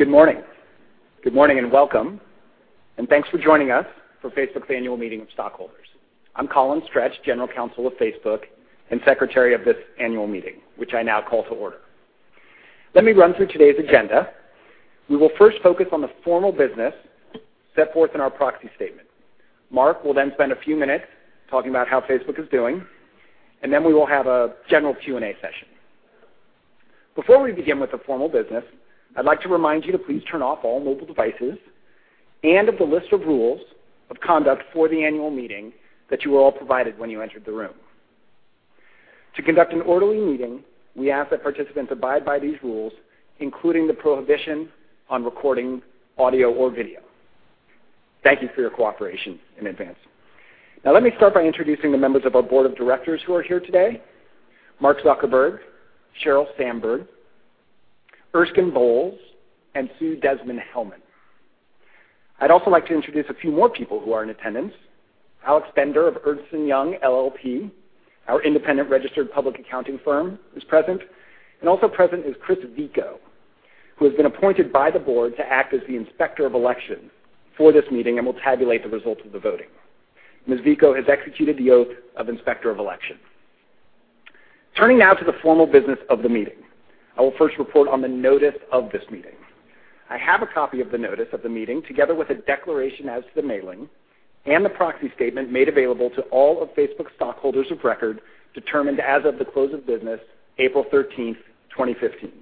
Good morning. Good morning and welcome, and thanks for joining us for Facebook's Annual Meeting of Stockholders. I'm Colin Stretch, General Counsel of Facebook and Secretary of this annual meeting, which I now call to order. Let me run through today's agenda. We will first focus on the formal business set forth in our proxy statement. Mark will then spend a few minutes talking about how Facebook is doing, and then we will have a general Q&A session. Before we begin with the formal business, I'd like to remind you to please turn off all mobile devices and of the list of rules of conduct for the annual meeting that you were all provided when you entered the room. To conduct an orderly meeting, we ask that participants abide by these rules, including the prohibition on recording audio or video. Thank you for your cooperation in advance. Let me start by introducing the members of our Board of Directors who are here today, Mark Zuckerberg, Sheryl Sandberg, Erskine Bowles, and Sue Desmond-Hellmann. I'd also like to introduce a few more people who are in attendance. Alex Bender of Ernst & Young LLP, our independent registered public accounting firm, is present. Also present is Chris Vico, who has been appointed by the Board to act as the Inspector of Election for this meeting and will tabulate the results of the voting. Ms. Vico has executed the oath of Inspector of Election. Turning now to the formal business of the meeting. I will first report on the notice of this meeting. I have a copy of the notice of the meeting, together with a declaration as to the mailing and the proxy statement made available to all of Facebook's stockholders of record determined as of the close of business April 13th, 2015.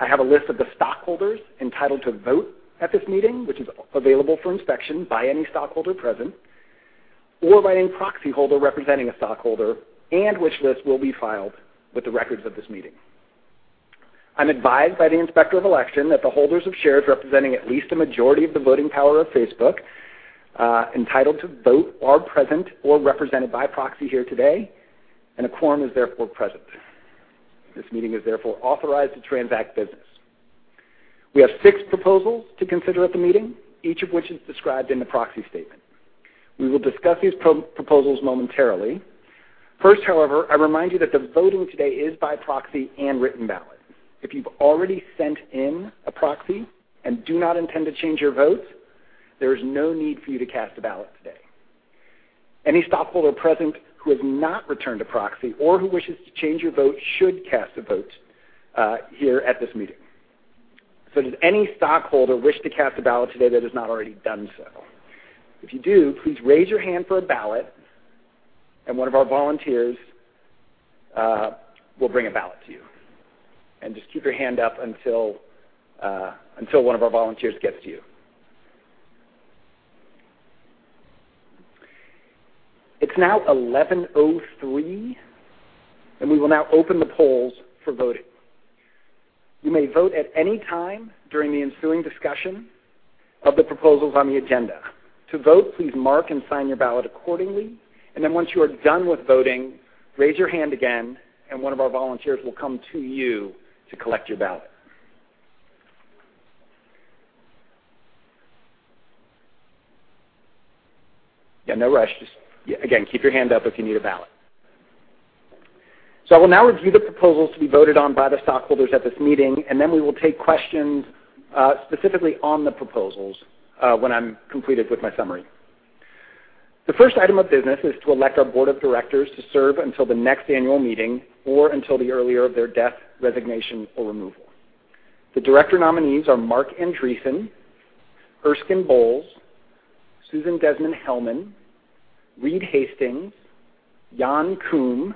I have a list of the stockholders entitled to vote at this meeting, which is available for inspection by any stockholder present or by any proxyholder representing a stockholder and which list will be filed with the records of this meeting. I'm advised by the Inspector of Election that the holders of shares representing at least a majority of the voting power of Facebook entitled to vote are present or represented by proxy here today, and a quorum is therefore present. This meeting is therefore authorized to transact business. We have six proposals to consider at the meeting, each of which is described in the proxy statement. We will discuss these proposals momentarily. First, however, I remind you that the voting today is by proxy and written ballot. If you've already sent in a proxy and do not intend to change your vote, there is no need for you to cast a ballot today. Any stockholder present who has not returned a proxy or who wishes to change your vote should cast a vote here at this meeting. Does any stockholder wish to cast a ballot today that has not already done so? If you do, please raise your hand for a ballot, and one of our volunteers will bring a ballot to you. Just keep your hand up until one of our volunteers gets to you. It's now 11:03 A.M. We will now open the polls for voting. You may vote at any time during the ensuing discussion of the proposals on the agenda. To vote, please mark and sign your ballot accordingly, and then once you are done with voting, raise your hand again and one of our volunteers will come to you to collect your ballot. Yeah, no rush. Just, again, keep your hand up if you need a ballot. I will now review the proposals to be voted on by the stockholders at this meeting, and then we will take questions specifically on the proposals when I'm completed with my summary. The first item of business is to elect our Board of Directors to serve until the next annual meeting or until the earlier of their death, resignation, or removal. The director nominees are Marc Andreessen, Erskine Bowles, Susan Desmond-Hellmann, Reed Hastings, Jan Koum,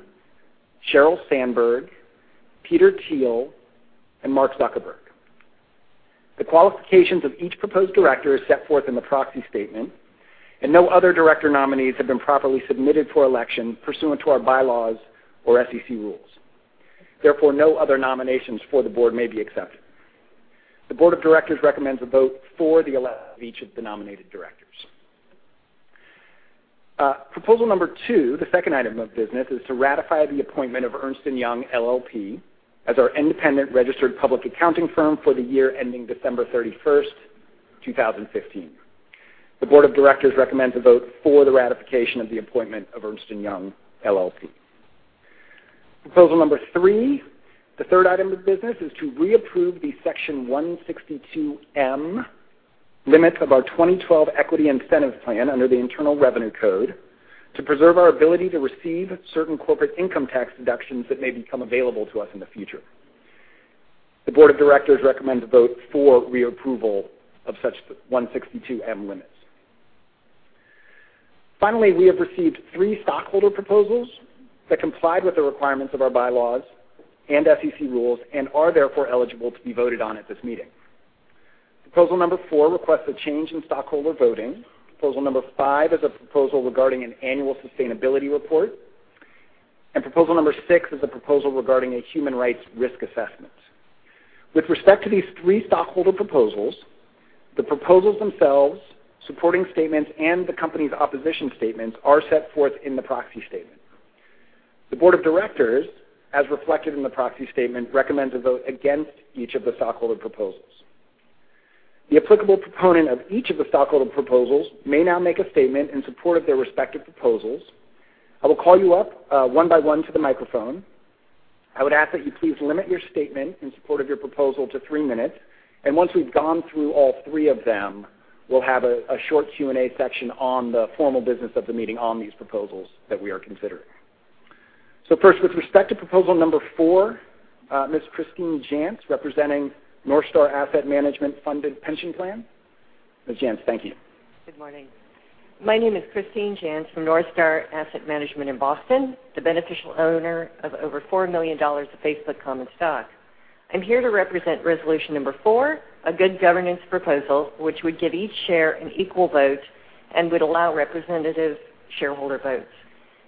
Sheryl Sandberg, Peter Thiel, and Mark Zuckerberg. The qualifications of each proposed director is set forth in the proxy statement, and no other director nominees have been properly submitted for election pursuant to our bylaws or SEC rules. Therefore, no other nominations for the board may be accepted. The board of directors recommends a vote for the election of each of the nominated directors. Proposal number 2, the second item of business, is to ratify the appointment of Ernst & Young LLP as our independent registered public accounting firm for the year ending December 31st, 2015. The board of directors recommends a vote for the ratification of the appointment of Ernst & Young LLP. Proposal number 3, the third item of business, is to reapprove the Section 162(m) limits of our 2012 Equity Incentive Plan under the Internal Revenue Code to preserve our ability to receive certain corporate income tax deductions that may become available to us in the future. The board of directors recommends a vote for reapproval of such 162(m) limits. Finally, we have received three stockholder proposals that comply with the requirements of our bylaws and SEC rules and are therefore eligible to be voted on at this meeting. Proposal number 4 requests a change in stockholder voting. Proposal number 5 is a proposal regarding an annual sustainability report. Proposal number 6 is a proposal regarding a human rights risk assessment. With respect to these three stockholder proposals, the proposals themselves, supporting statements, and the company's opposition statements are set forth in the proxy statement. The board of directors, as reflected in the proxy statement, recommends a vote against each of the stockholder proposals. The applicable proponent of each of the stockholder proposals may now make a statement in support of their respective proposals. I will call you up one by one to the microphone. I would ask that you please limit your statement in support of your proposal to three minutes, and once we've gone through all three of them, we'll have a short Q&A section on the formal business of the meeting on these proposals that we are considering. First, with respect to proposal number 4, Ms. Christine Jantz, representing Northstar Asset Management Funded Pension Plan. Ms. Jantz, thank you. Good morning. My name is Christine Jantz from NorthStar Asset Management in Boston, the beneficial owner of over $4 million of Facebook common stock. I'm here to represent resolution number four, a good governance proposal which would give each share an equal vote and would allow representative shareholder votes.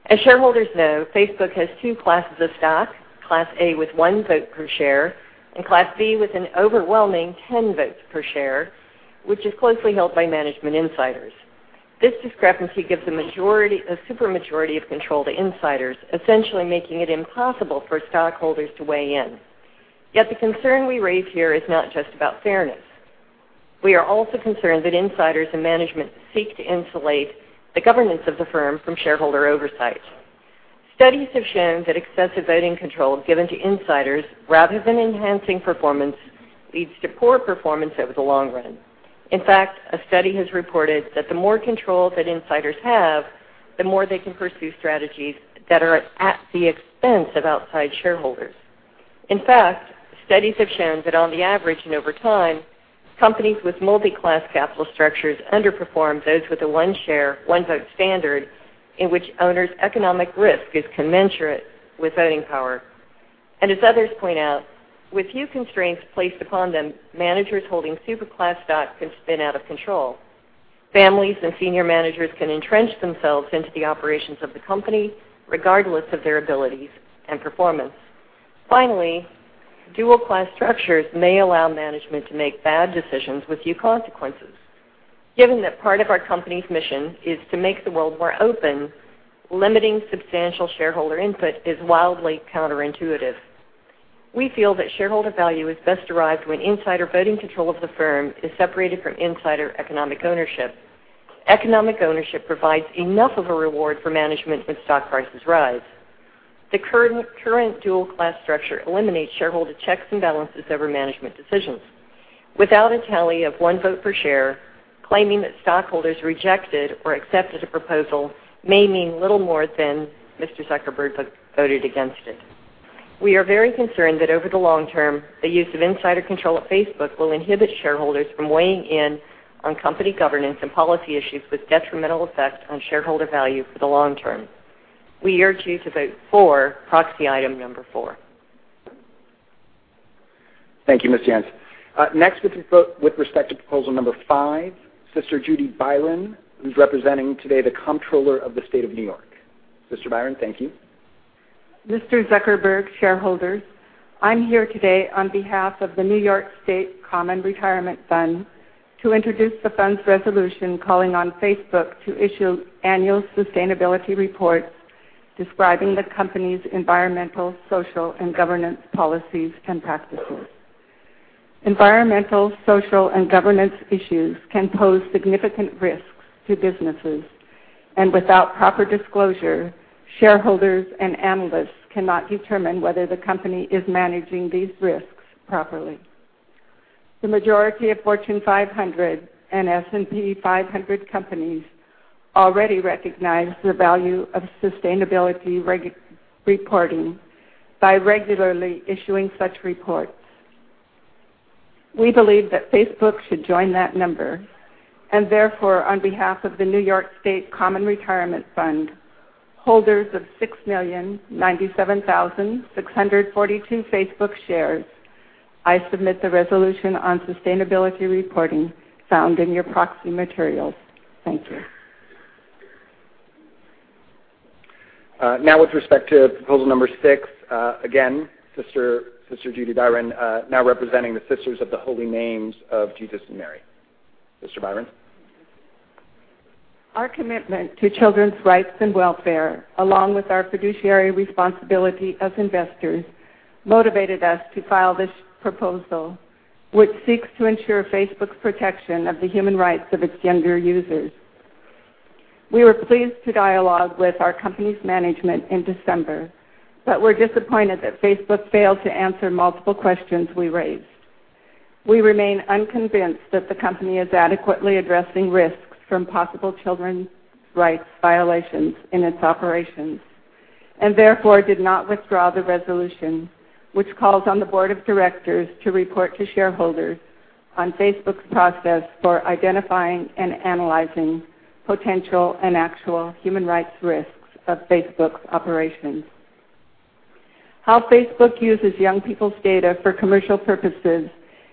As shareholders know, Facebook has two classes of stock, Class A with one vote per share and Class B with an overwhelming 10 votes per share, which is closely held by management insiders. This discrepancy gives a super majority of control to insiders, essentially making it impossible for stockholders to weigh in. The concern we raise here is not just about fairness. We are also concerned that insiders and management seek to insulate the governance of the firm from shareholder oversight. Studies have shown that excessive voting control given to insiders rather than enhancing performance, leads to poor performance over the long run. In fact, a study has reported that the more control that insiders have, the more they can pursue strategies that are at the expense of outside shareholders. In fact, studies have shown that on the average and over time, companies with multi-class capital structures underperform those with a one share, one vote standard in which owners' economic risk is commensurate with voting power. As others point out, with few constraints placed upon them, managers holding super class stock can spin out of control. Families and senior managers can entrench themselves into the operations of the company regardless of their abilities and performance. Finally, dual-class structures may allow management to make bad decisions with few consequences. Given that part of our company's mission is to make the world more open, limiting substantial shareholder input is wildly counter-intuitive. We feel that shareholder value is best derived when insider voting control of the firm is separated from insider economic ownership. Economic ownership provides enough of a reward for management when stock prices rise. The current dual-class structure eliminates shareholder checks and balances over management decisions. Without a tally of one vote per share, claiming that stockholders rejected or accepted a proposal may mean little more than Mr. Zuckerberg voted against it. We are very concerned that over the long term, the use of insider control at Facebook will inhibit shareholders from weighing in on company governance and policy issues with detrimental effect on shareholder value for the long term. We urge you to vote for proxy item number four. Thank you, Ms. Jantz. Next, with respect to proposal number five, Sister Judy Byron, who's representing today the Comptroller of the State of New York. Sister Byron, thank you. Mr. Zuckerberg, shareholders, I'm here today on behalf of the New York State Common Retirement Fund to introduce the fund's resolution calling on Facebook to issue annual sustainability reports describing the company's environmental, social, and governance policies and practices. Environmental, social, and governance issues can pose significant risks to businesses, and without proper disclosure, shareholders and analysts cannot determine whether the company is managing these risks properly. The majority of Fortune 500 and S&P 500 companies already recognize the value of sustainability reporting by regularly issuing such reports. We believe that Facebook should join that number and therefore, on behalf of the New York State Common Retirement Fund, holders of 6,097,642 Facebook shares, I submit the resolution on sustainability reporting found in your proxy materials. Thank you. With respect to proposal number six, again, Sister Judy Byron, now representing the Sisters of the Holy Names of Jesus and Mary. Sister Byron. Our commitment to children's rights and welfare, along with our fiduciary responsibility as investors, motivated us to file this proposal, which seeks to ensure Facebook's protection of the human rights of its younger users. We were pleased to dialogue with our company's management in December, but were disappointed that Facebook failed to answer multiple questions we raised. We remain unconvinced that the company is adequately addressing risks from possible children's rights violations in its operations, and therefore did not withdraw the resolution, which calls on the Board of Directors to report to shareholders on Facebook's process for identifying and analyzing potential and actual human rights risks of Facebook's operations. How Facebook uses young people's data for commercial purposes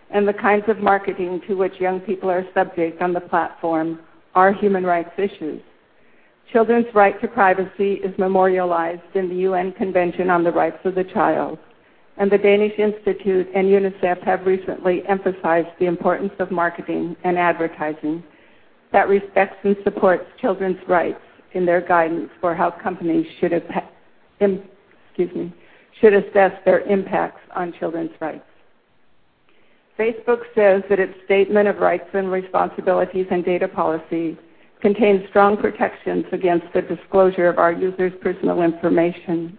and the kinds of marketing to which young people are subject on the platform are human rights issues. Children's right to privacy is memorialized in the UN Convention on the Rights of the Child. The Danish Institute and UNICEF have recently emphasized the importance of marketing and advertising that respects and supports children's rights in their guidance for how companies should assess their impacts on children's rights. Facebook says that its statement of rights and responsibilities and data policy contains strong protections against the disclosure of our users' personal information.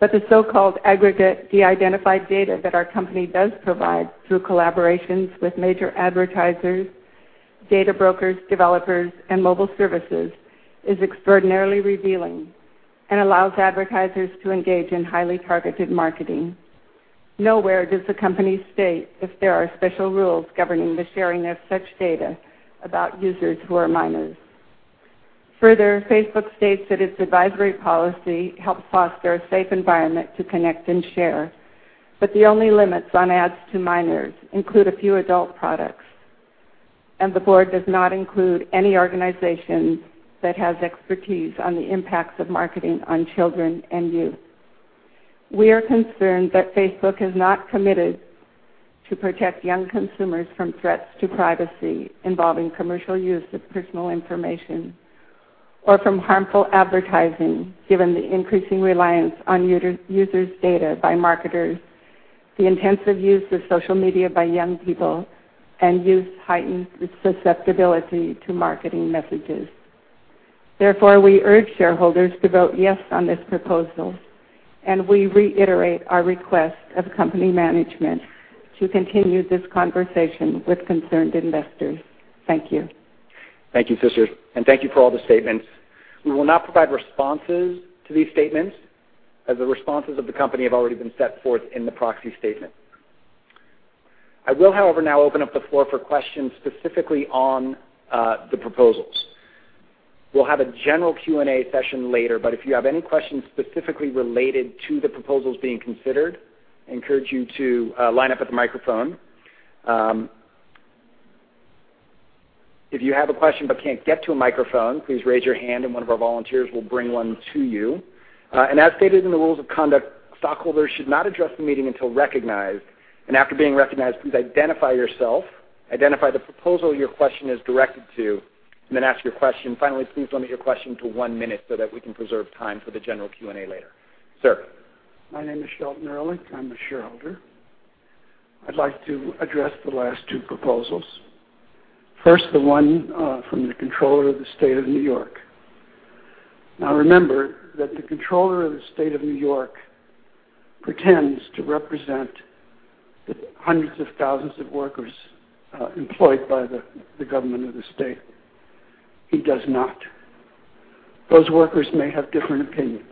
The so-called aggregate de-identified data that our company does provide through collaborations with major advertisers, data brokers, developers, and mobile services is extraordinarily revealing and allows advertisers to engage in highly targeted marketing. Nowhere does the company state if there are special rules governing the sharing of such data about users who are minors. Further, Facebook states that its advisory policy helps foster a safe environment to connect and share, but the only limits on ads to minors include a few adult products. The board does not include any organization that has expertise on the impacts of marketing on children and youth. We are concerned that Facebook has not committed to protect young consumers from threats to privacy involving commercial use of personal information or from harmful advertising, given the increasing reliance on users' data by marketers, the intensive use of social media by young people, and youth's heightened susceptibility to marketing messages. Therefore, we urge shareholders to vote yes on this proposal, and we reiterate our request of company management to continue this conversation with concerned investors. Thank you. Thank you, sisters, and thank you for all the statements. We will not provide responses to these statements as the responses of the company have already been set forth in the proxy statement. I will, however, now open up the floor for questions specifically on the proposals. We'll have a general Q&A session later, but if you have any questions specifically related to the proposals being considered, I encourage you to line up at the microphone. If you have a question but can't get to a microphone, please raise your hand and one of our volunteers will bring one to you. As stated in the rules of conduct, stockholders should not address the meeting until recognized. After being recognized, please identify yourself, identify the proposal your question is directed to, and then ask your question. Finally, please limit your question to one minute so that we can preserve time for the general Q&A later. Sir. My name is Shie Erlich. I'm a shareholder. I'd like to address the last two proposals. First, the one from the Comptroller of the State of New York. Remember that the Comptroller of the State of New York pretends to represent the hundreds of thousands of workers employed by the government of the state. He does not. Those workers may have different opinions.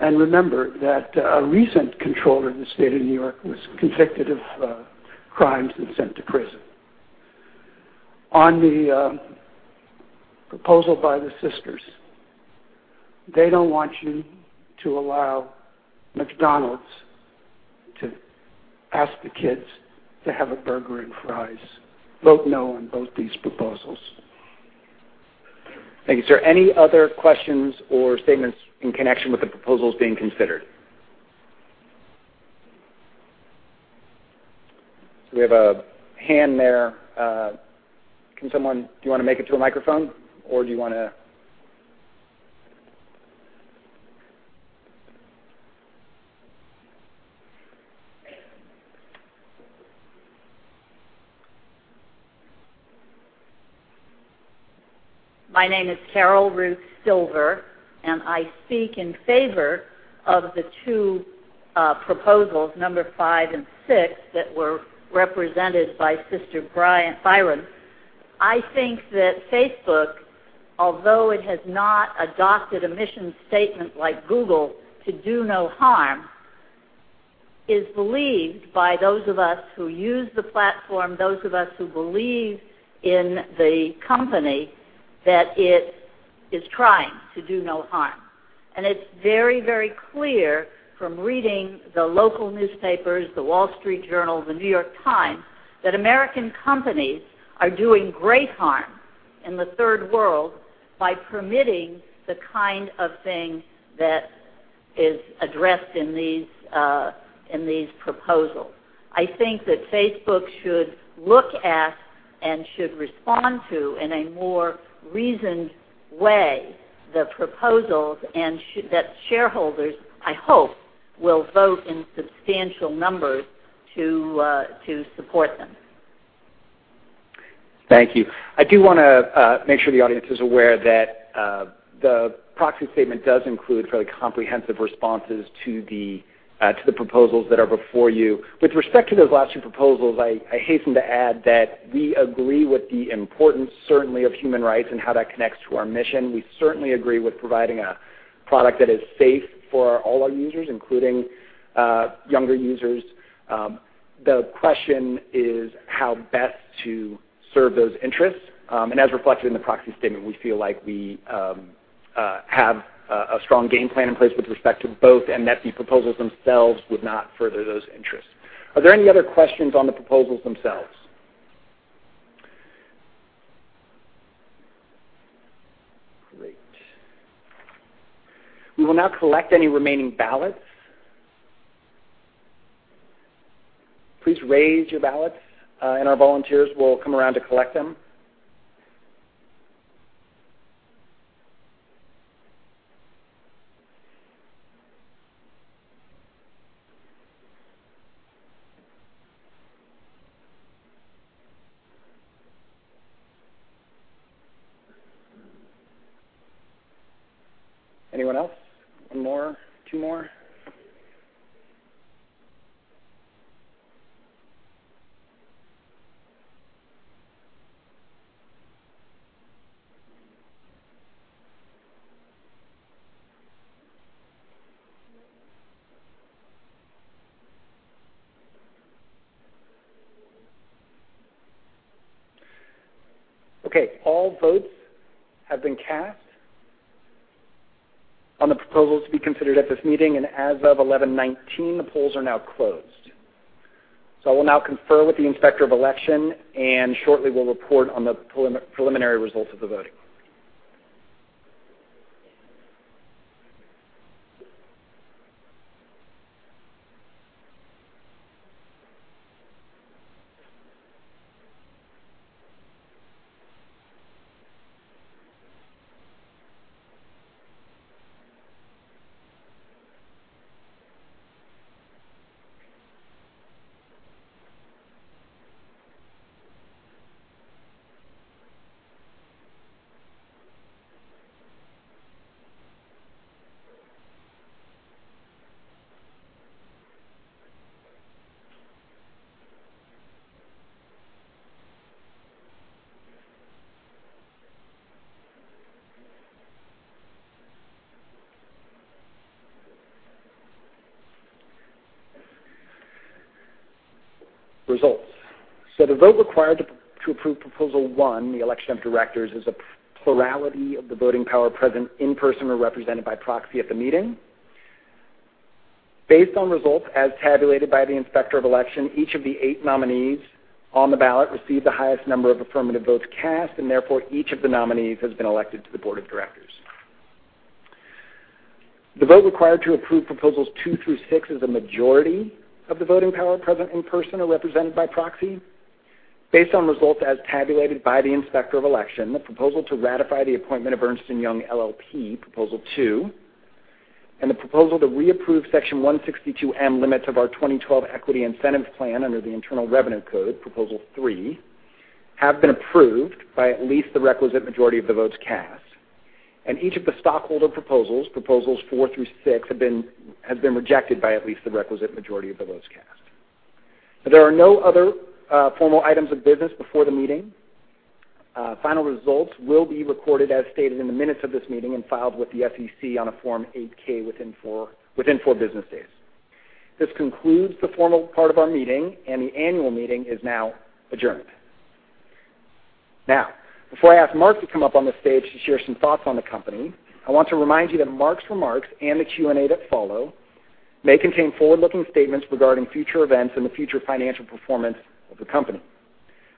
Remember that a recent Comptroller of the State of New York was convicted of crimes and sent to prison. On the proposal by the sisters, they don't want you to allow McDonald's to ask the kids to have a burger and fries. Vote no on both these proposals. Thank you, sir. Any other questions or statements in connection with the proposals being considered? We have a hand there. Do you want to make it to a microphone? My name is Carol Ruth Silver, and I speak in favor of the two proposals, number 5 and 6, that were represented by Sister Judy Byron. I think that Facebook, although it has not adopted a mission statement like Google to do no harm, is believed by those of us who use the platform, those of us who believe in the company, that it is trying to do no harm. It's very, very clear from reading the local newspapers, The Wall Street Journal, The New York Times, that American companies are doing great harm in the Third World by permitting the kind of thing that is addressed in these proposals. I think that Facebook should look at and should respond to, in a more reasoned way, the proposals, and that shareholders, I hope, will vote in substantial numbers to support them. Thank you. I do want to make sure the audience is aware that the proxy statement does include fairly comprehensive responses to the proposals that are before you. With respect to those last two proposals, I hasten to add that we agree with the importance, certainly, of human rights and how that connects to our mission. We certainly agree with providing a product that is safe for all our users, including younger users. The question is how best to serve those interests. As reflected in the proxy statement, we feel like we have a strong game plan in place with respect to both, and that the proposals themselves would not further those interests. Are there any other questions on the proposals themselves? Great. We will now collect any remaining ballots. Please raise your ballots, and our volunteers will come around to collect them. Anyone else? One more? Two more? Okay. All votes have been cast on the proposals to be considered at this meeting, and as of 11:19 A.M., the polls are now closed. I will now confer with the Inspector of Election, and shortly will report on the preliminary results of the voting. Results. The vote required to approve Proposal One, the election of directors, is a plurality of the voting power present in person or represented by proxy at the meeting. Based on results as tabulated by the Inspector of Election, each of the 8 nominees on the ballot received the highest number of affirmative votes cast, and therefore, each of the nominees has been elected to the board of directors. The vote required to approve Proposals Two through Six is a majority of the voting power present in person or represented by proxy. Based on results as tabulated by the Inspector of Election, the proposal to ratify the appointment of Ernst & Young LLP, Proposal Two, and the proposal to reapprove Section 162 limits of our 2012 Equity Incentive Plan under the Internal Revenue Code, Proposal Three, have been approved by at least the requisite majority of the votes cast. Each of the stockholder proposals, Proposals Four through Six, have been rejected by at least the requisite majority of the votes cast. There are no other formal items of business before the meeting. Final results will be recorded as stated in the minutes of this meeting and filed with the SEC on a Form 8-K within four business days. This concludes the formal part of our meeting, and the annual meeting is now adjourned. Now, before I ask Mark to come up on the stage to share some thoughts on the company, I want to remind you that Mark's remarks and the Q&A that follow may contain forward-looking statements regarding future events and the future financial performance of the company.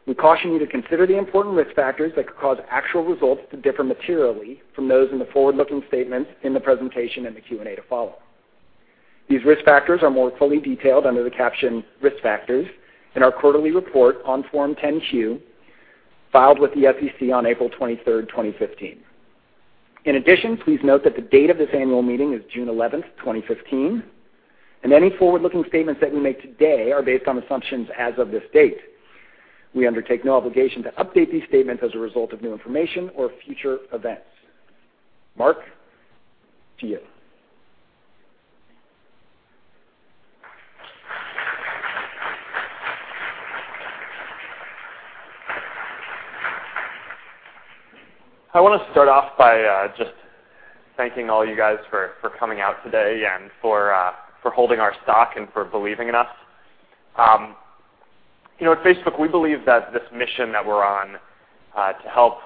We caution you to consider the important risk factors that could cause actual results to differ materially from those in the forward-looking statements in the presentation and the Q&A to follow. These risk factors are more fully detailed under the caption "Risk Factors" in our quarterly report on Form 10-Q, filed with the SEC on April 23rd, 2015. In addition, please note that the date of this annual meeting is June 11th, 2015, and any forward-looking statements that we make today are based on assumptions as of this date. We undertake no obligation to update these statements as a result of new information or future events. Mark, to you. I want to start off by just thanking all you guys for coming out today and for holding our stock and for believing in us. At Facebook, we believe that this mission that we're on to help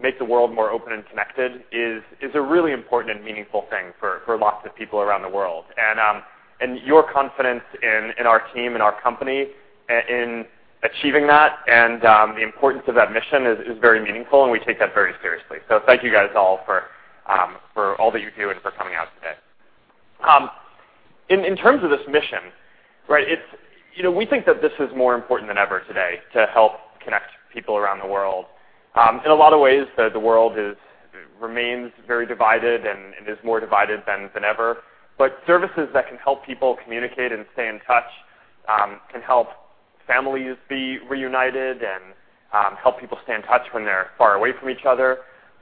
make the world more open and connected is a really important and meaningful thing for lots of people around the world. Your confidence in our team and our company in achieving that and the importance of that mission is very meaningful, and we take that very seriously. Thank you guys all for all that you do and for coming out today. In terms of this mission, we think that this is more important than ever today to help connect people around the world. In a lot of ways, the world remains very divided and is more divided than ever. Services that can help people communicate and stay in touch can help families be reunited and help people stay in touch when they're far away from each other.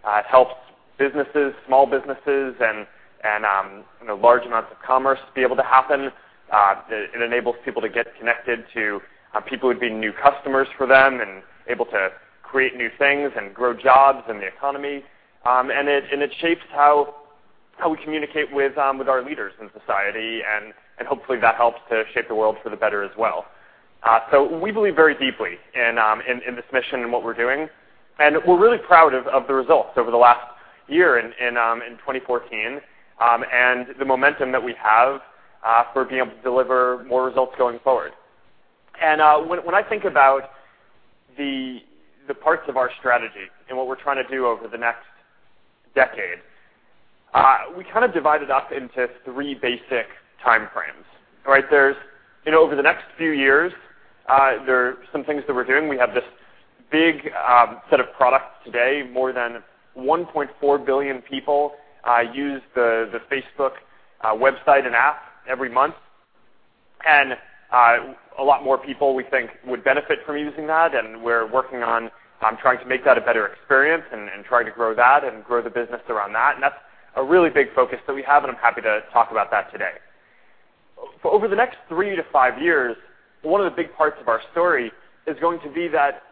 It helps businesses, small businesses, and large amounts of commerce to be able to happen. It enables people to get connected to people who'd be new customers for them and able to create new things and grow jobs and the economy. It shapes how we communicate with our leaders in society, and hopefully, that helps to shape the world for the better as well. We believe very deeply in this mission and what we're doing, and we're really proud of the results over the last year in 2014, and the momentum that we have for being able to deliver more results going forward. When I think about the parts of our strategy and what we're trying to do over the next decade, we kind of divide it up into three basic time frames. Over the next few years, there are some things that we're doing. We have this big set of products today. More than 1.4 billion people use the Facebook website and app every month, and a lot more people, we think, would benefit from using that. We're working on trying to make that a better experience and trying to grow that and grow the business around that. That's a really big focus that we have, and I'm happy to talk about that today. Over the next three to five years, one of the big parts of our story is going to be that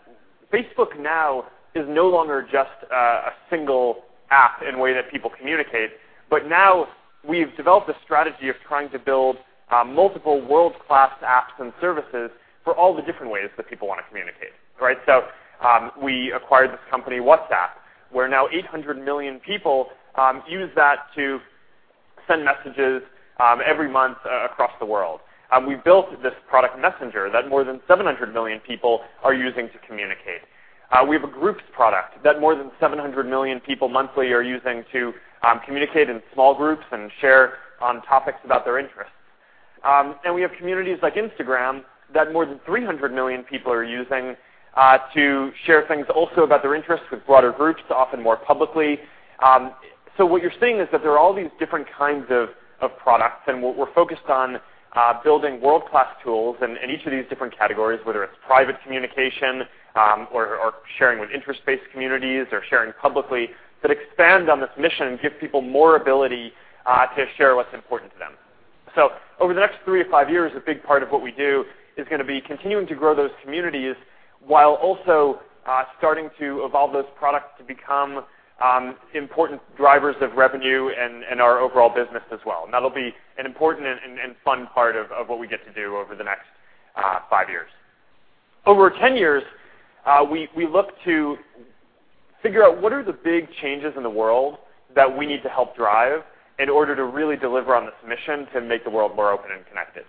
Facebook now is no longer just a single app and way that people communicate. Now we've developed a strategy of trying to build multiple world-class apps and services for all the different ways that people want to communicate. We acquired this company, WhatsApp, where now 800 million people use that to send messages every month across the world. We've built this product, Messenger, that more than 700 million people are using to communicate. We have a Groups product that more than 700 million people monthly are using to communicate in small Groups and share on topics about their interests. We have communities like Instagram that more than 300 million people are using to share things also about their interests with broader Groups, often more publicly. What you're seeing is that there are all these different kinds of products, and we're focused on building world-class tools in each of these different categories, whether it's private communication or sharing with interest-based communities or sharing publicly, that expand on this mission and give people more ability to share what's important to them. Over the next three to five years, a big part of what we do is going to be continuing to grow those communities while also starting to evolve those products to become important drivers of revenue and our overall business as well. That'll be an important and fun part of what we get to do over the next five years. Over 10 years, we look to figure out what are the big changes in the world that we need to help drive in order to really deliver on this mission to make the world more open and connected.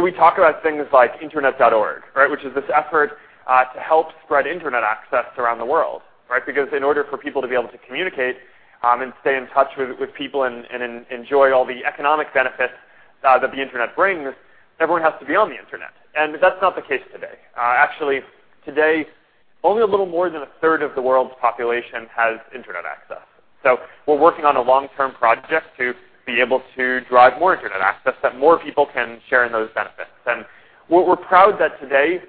We talk about things like Internet.org, which is this effort to help spread internet access around the world. Because in order for people to be able to communicate and stay in touch with people and enjoy all the economic benefits that the internet brings, everyone has to be on the internet, and that's not the case today. Actually, today, only a little more than a third of the world's population has internet access. We're working on a long-term project to be able to drive more internet access so that more people can share in those benefits. What we're proud that today,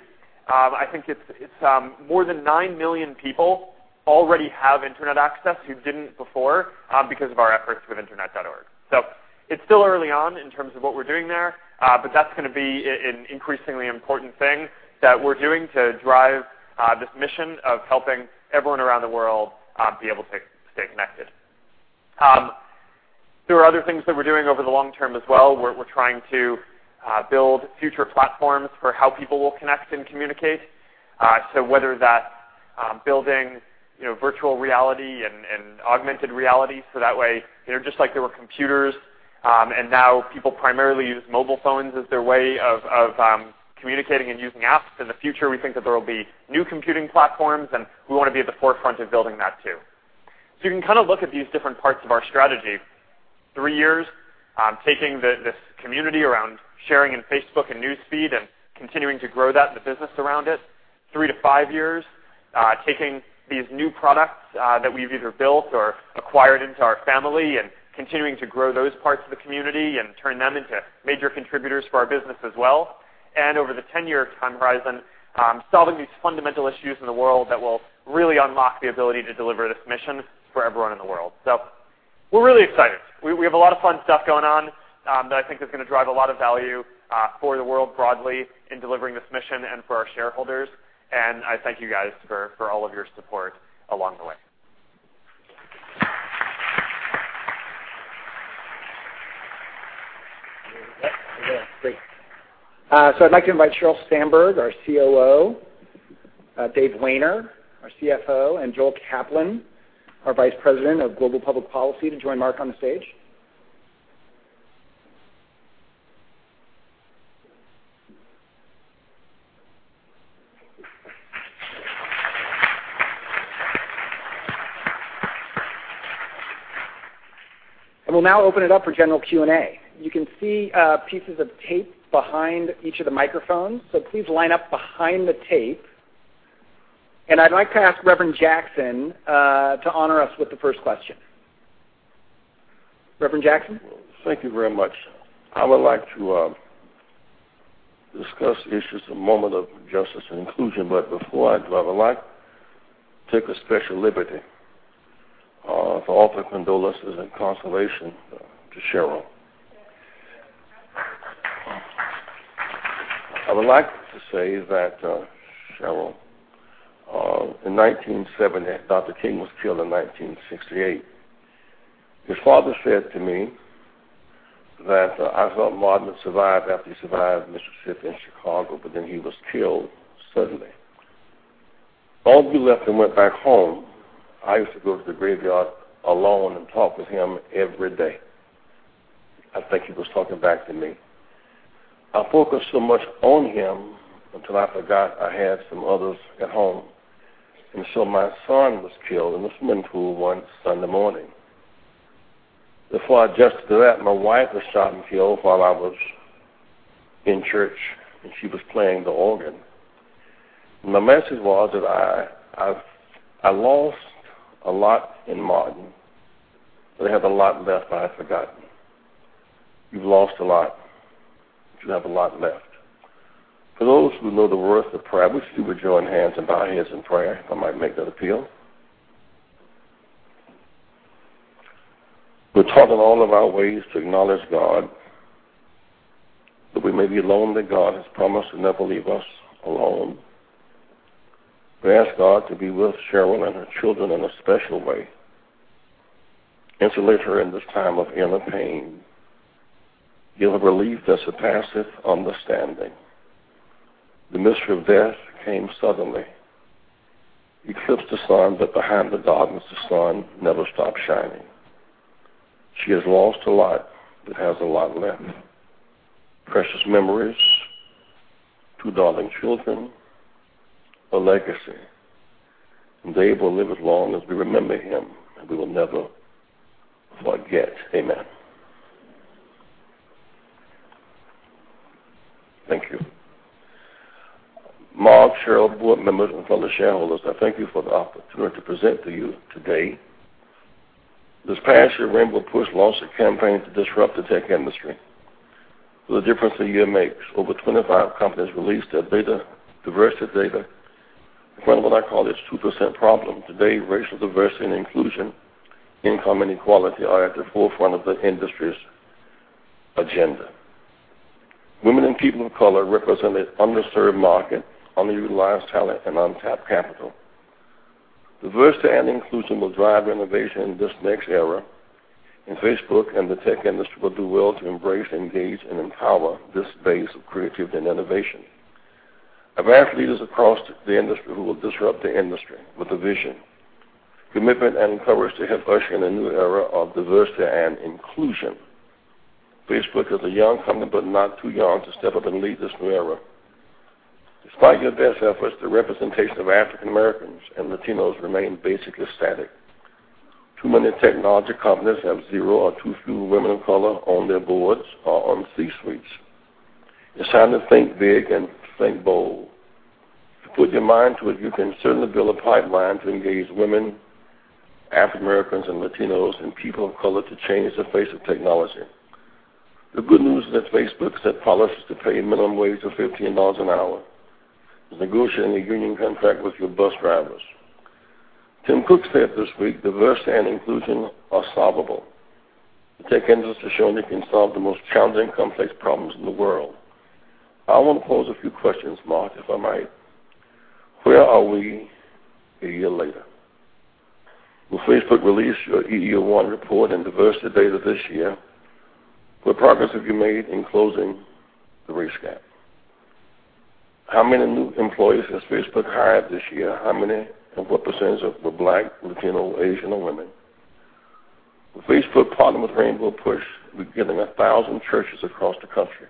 I think it's more than nine million people already have internet access who didn't before because of our efforts with Internet.org. It's still early on in terms of what we're doing there, but that's going to be an increasingly important thing that we're doing to drive this mission of helping everyone around the world be able to stay connected. There are other things that we're doing over the long term as well. We're trying to build future platforms for how people will connect and communicate. Whether that's building virtual reality and augmented reality, so that way, just like there were computers and now people primarily use mobile phones as their way of communicating and using apps, in the future, we think that there will be new computing platforms, and we want to be at the forefront of building that too. You can kind of look at these different parts of our strategy. Three years, taking this community around sharing and Facebook and News Feed and continuing to grow that and the business around it. Three to five years, taking these new products that we've either built or acquired into our family and continuing to grow those parts of the community and turn them into major contributors for our business as well. Over the 10-year time horizon, solving these fundamental issues in the world that will really unlock the ability to deliver this mission for everyone in the world. We're really excited. We have a lot of fun stuff going on that I think is going to drive a lot of value for the world broadly in delivering this mission and for our shareholders. I thank you guys for all of your support along the way. Great. I'd like to invite Sheryl Sandberg, our COO, Dave Wehner, our CFO, and Joel Kaplan, our Vice President of Global Public Policy, to join Mark on the stage. We'll now open it up for general Q&A. You can see pieces of tape behind each of the microphones, please line up behind the tape. I'd like to ask Reverend Jackson to honor us with the first question. Reverend Jackson? Thank you very much. I would like to discuss issues of moment of justice and inclusion, but before I do, I would like to take a special liberty to offer condolences and consolation to Sheryl. I would like to say that, Sheryl, in 1970 Dr. King was killed in 1968. His father said to me that "I thought Martin would survive after he survived Mississippi and Chicago, but then he was killed suddenly." Long we left and went back home, I used to go to the graveyard alone and talk with him every day. I think he was talking back to me. I focused so much on him until I forgot I had some others at home. My son was killed in the swimming pool one Sunday morning. Before I adjusted to that, my wife was shot and killed while I was in church. She was playing the organ. My message was that I lost a lot in Martin, but I have a lot left I forgotten. You've lost a lot. You have a lot left. For those who know the worth of prayer, would you join hands and bow heads in prayer? I might make that appeal. We're taught in all of our ways to acknowledge God, that we may be alone, that God has promised to never leave us alone. We ask God to be with Sheryl and her children in a special way, and to lead her in this time of inner pain. Give her relief that surpasses understanding. The mystery of death came suddenly. Eclipsed the sun. Behind the darkness, the sun never stopped shining. She has lost a lot, but has a lot left. Precious memories, two darling children, a legacy. They will live as long as we remember him. We will never forget. Amen. Thank you. Mark, Sheryl, board members, and fellow shareholders, I thank you for the opportunity to present to you today. This past year, Rainbow PUSH launched a campaign to disrupt the tech industry. The difference a year makes. Over 25 companies released their diversity data to confront what I call this 2% problem. Today, racial diversity and inclusion, income inequality are at the forefront of the industry's agenda. Women and people of color represent an underserved market, underutilized talent, and untapped capital. Diversity and inclusion will drive innovation in this next era, and Facebook and the tech industry will do well to embrace, engage, and empower this base of creativity and innovation. Advanced leaders across the industry who will disrupt the industry with a vision, commitment, and courage to help us in a new era of diversity and inclusion. Facebook is a young company, but not too young to step up and lead this new era. Despite your best efforts, the representation of African Americans and Latinos remain basically static. Too many technology companies have zero or too few women of color on their boards or on C-suites. It's time to think big and think bold. If you put your mind to it, you can certainly build a pipeline to engage women, African Americans and Latinos, and people of color to change the face of technology. The good news is that Facebook set policies to pay a minimum wage of $15 an hour, is negotiating a union contract with your bus drivers. Tim Cook said this week, "Diversity and inclusion are solvable." The tech industry has shown it can solve the most challenging, complex problems in the world. I want to pose a few questions, Mark, if I might. Where are we a year later? Will Facebook release your EEO-1 report and diversity data this year? What progress have you made in closing the race gap? How many new employees has Facebook hired this year? How many and what percentage of were Black, Latino, Asian, or women? Will Facebook partner with Rainbow PUSH? We're giving 1,000 churches across the country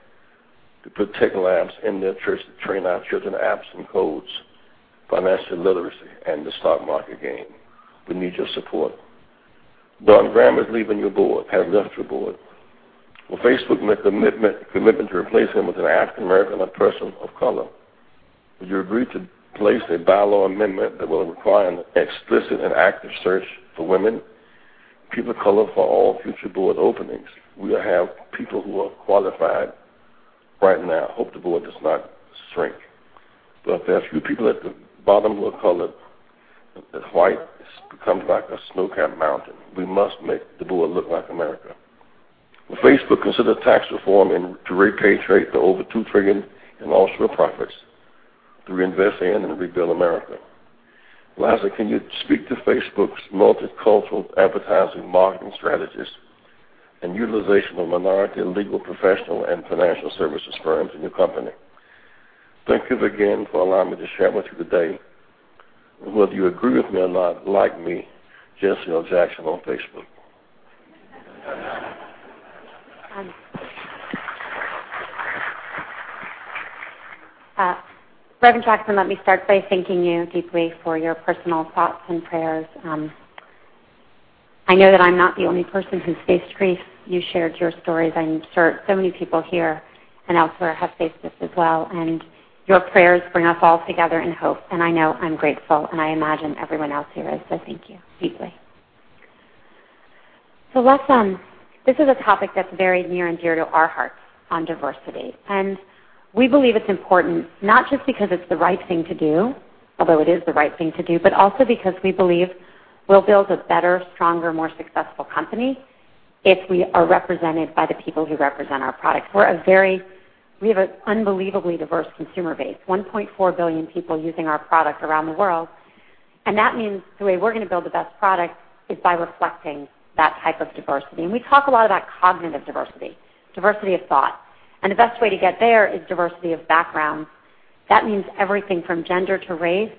to put tech labs in their church to train our children apps and codes, financial literacy, and the stock market game. We need your support. Don Graham is leaving your board, has left your board. Will Facebook make the commitment to replace him with an African American or person of color? Would you agree to place a bylaw amendment that will require an explicit and active search for women, people of color for all future board openings? We have people who are qualified right now. Hope the board does not shrink. There are few people at the bottom who are colored, that's white, it's become like a snow-capped mountain. We must make the board look like America. Will Facebook consider tax reform and to repatriate the over $2 trillion in offshore profits to reinvest in and rebuild America? Lastly, can you speak to Facebook's multicultural advertising, marketing strategies, and utilization of minority and legal professional and financial services firms in your company? Thank you again for allowing me to share with you today. Whether you agree with me or not, like me, Jesse L. Jackson on Facebook. Reverend Jackson, let me start by thanking you deeply for your personal thoughts and prayers. I know that I'm not the only person who's faced grief. You shared your stories. I am sure so many people here and elsewhere have faced this as well, and your prayers bring us all together in hope, and I know I'm grateful, and I imagine everyone else here is. Thank you deeply. This is a topic that's very near and dear to our hearts on diversity. We believe it's important not just because it's the right thing to do, although it is the right thing to do, but also because we believe we'll build a better, stronger, more successful company if we are represented by the people who represent our products. We have an unbelievably diverse consumer base, 1.4 billion people using our product around the world. That means the way we're going to build the best product is by reflecting that type of diversity. We talk a lot about cognitive diversity of thought. The best way to get there is diversity of background. That means everything from gender to race,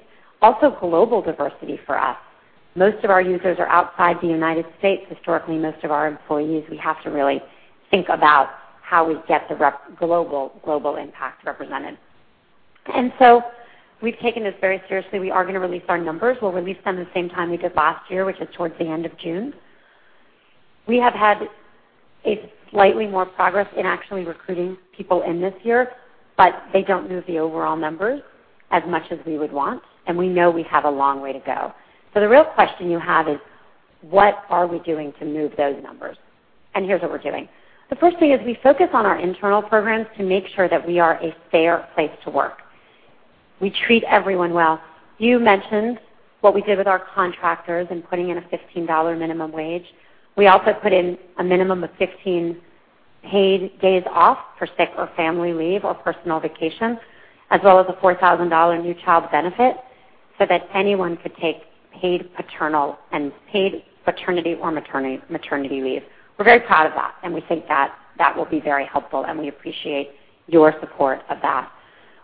also global diversity for us. Most of our users are outside the United States. Historically, most of our employees, we have to really think about how we get the global impact represented. We've taken this very seriously. We are going to release our numbers. We'll release them the same time we did last year, which is towards the end of June. We have had slightly more progress in actually recruiting people in this year, but they don't move the overall numbers as much as we would want, and we know we have a long way to go. The real question you have is, what are we doing to move those numbers? Here's what we're doing. The first thing is we focus on our internal programs to make sure that we are a fair place to work. We treat everyone well. You mentioned what we did with our contractors and putting in a $15 minimum wage. We also put in a minimum of 15 paid days off for sick or family leave or personal vacation, as well as a $4,000 new child benefit so that anyone could take paid paternal and paid paternity or maternity leave. We're very proud of that, and we think that will be very helpful, and we appreciate your support of that.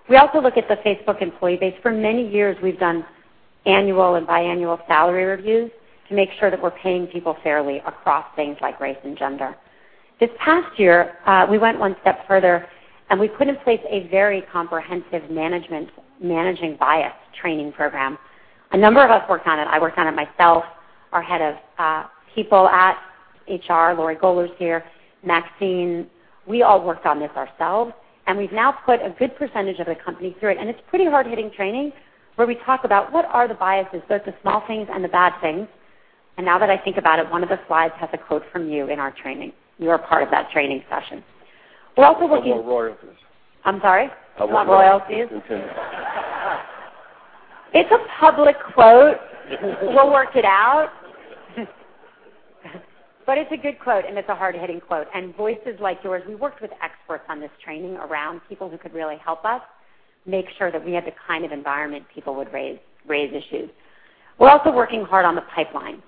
We also look at the Facebook employee base. For many years, we've done annual and biannual salary reviews to make sure that we're paying people fairly across things like race and gender. This past year, we went one step further, we put in place a very comprehensive managing bias training program. A number of us worked on it. I worked on it myself, our Head of People at HR, Lori Goler's here, Maxine. We all worked on this ourselves, we've now put a good percentage of the company through it's pretty hard-hitting training where we talk about what are the biases, both the small things and the bad things. Now that I think about it, one of the slides has a quote from you in our training. You are part of that training session. We're also working- How about royalties? I'm sorry? How about royalties? You want royalties? Continue. It's a public quote. We'll work it out. It's a good quote, and it's a hard-hitting quote. Voices like yours, we worked with experts on this training around people who could really help us make sure that we had the kind of environment people would raise issues. We're also working hard on the pipeline.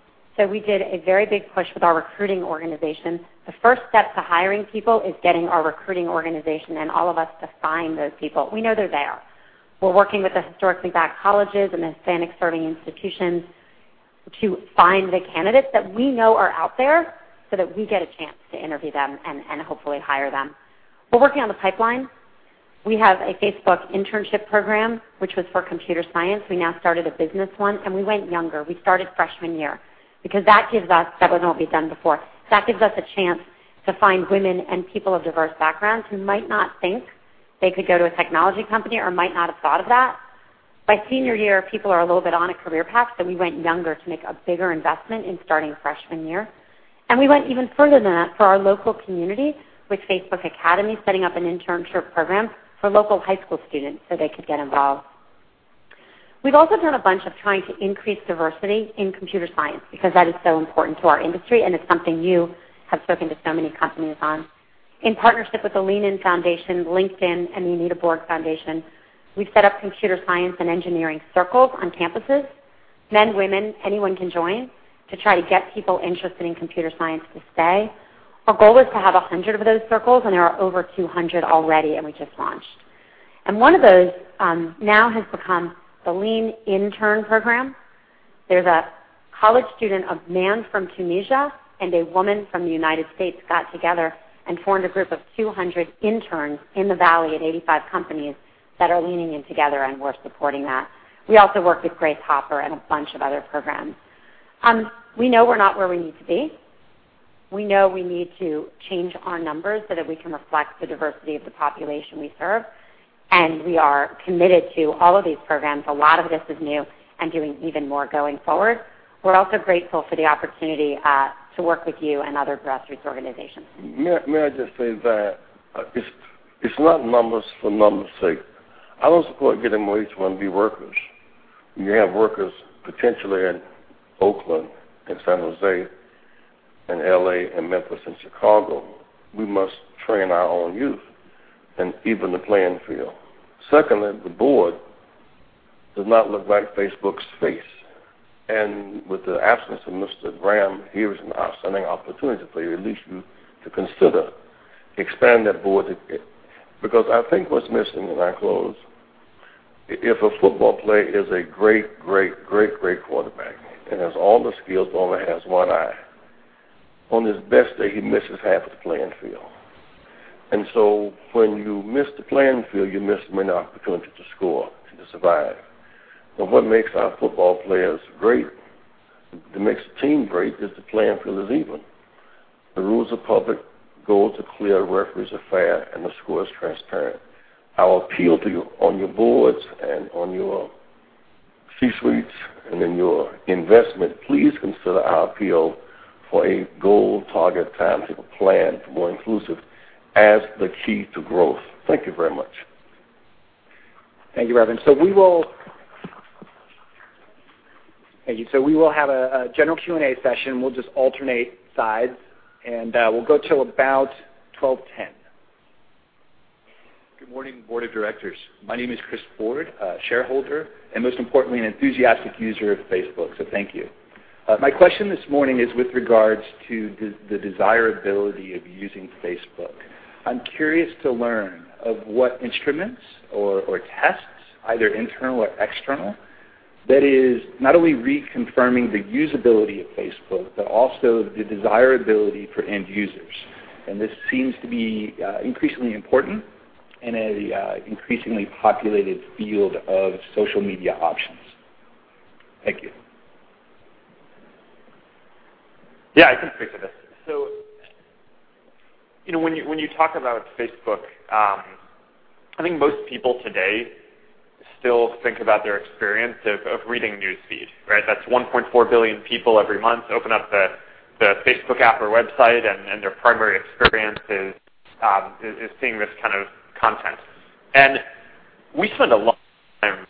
We did a very big push with our recruiting organization. The first step to hiring people is getting our recruiting organization and all of us to find those people. We know they're there. We're working with the historically Black colleges and Hispanic-serving institutions to find the candidates that we know are out there so that we get a chance to interview them and hopefully hire them. We're working on the pipeline. We have a Facebook internship program, which was for computer science. We now started a business one, and we went younger. We started freshman year because that gives us a chance to find women and people of diverse backgrounds who might not think they could go to a technology company or might not have thought of that. By senior year, people are a little bit on a career path. We went younger to make a bigger investment in starting freshman year. We went even further than that for our local community with Facebook Academy, setting up an internship program for local high school students so they could get involved. We've also done a bunch of trying to increase diversity in computer science because that is so important to our industry, and it's something you have spoken to so many companies on. In partnership with the Lean In Foundation, LinkedIn, and the Anita Borg Foundation, we've set up computer science and engineering circles on campuses. Men, women, anyone can join to try to get people interested in computer science to stay. Our goal is to have 100 of those circles, and there are over 200 already, we just launched. One of those now has become the Lean Intern Program. There's a college student, a man from Tunisia, and a woman from the United States got together and formed a group of 200 interns in the Valley at 85 companies that are leaning in together, and we're supporting that. We also work with Grace Hopper and a bunch of other programs. We know we're not where we need to be. We know we need to change our numbers so that we can reflect the diversity of the population we serve, we are committed to all of these programs, a lot of this is new, doing even more going forward. We're also grateful for the opportunity to work with you and other grassroots organizations. May I just say that it's not numbers for numbers' sake. I don't support getting H1B workers. When you have workers potentially in Oakland, in San Jose, in L.A., in Memphis, in Chicago, we must train our own youth and even the playing field. Secondly, the board does not look like Facebook's face, with the absence of Mr. Graham, here is an outstanding opportunity for you, at least you to consider expanding that board a bit. I think what's missing when I close, if a football player is a great, great quarterback and has all the skills, but only has one eye, on his best day, he misses half of the playing field. When you miss the playing field, you miss many opportunities to score, to survive. What makes our football players great, what makes the team great, is the playing field is even. The rules are public, goals are clear, referees are fair, the score is transparent. Our appeal to you on your boards and on your C-suites and in your investment, please consider our appeal for a goal, target, tactical plan for more inclusive as the key to growth. Thank you very much. Thank you, Reverend. Thank you. We will have a general Q&A session. We'll just alternate sides, and we'll go till about 12:10. Good morning, board of directors. My name is Chris Ford, a shareholder, and most importantly, an enthusiastic user of Facebook, so thank you. My question this morning is with regards to the desirability of using Facebook. I'm curious to learn of what instruments or tests, either internal or external, that is not only reconfirming the usability of Facebook, but also the desirability for end users. This seems to be increasingly important in the increasingly populated field of social media options. Thank you. Yeah, I can take this. When you talk about Facebook, I think most people today still think about their experience of reading News Feed, right? That's 1.4 billion people every month open up the Facebook app or website, and their primary experience is seeing this kind of content. We spend a lot of time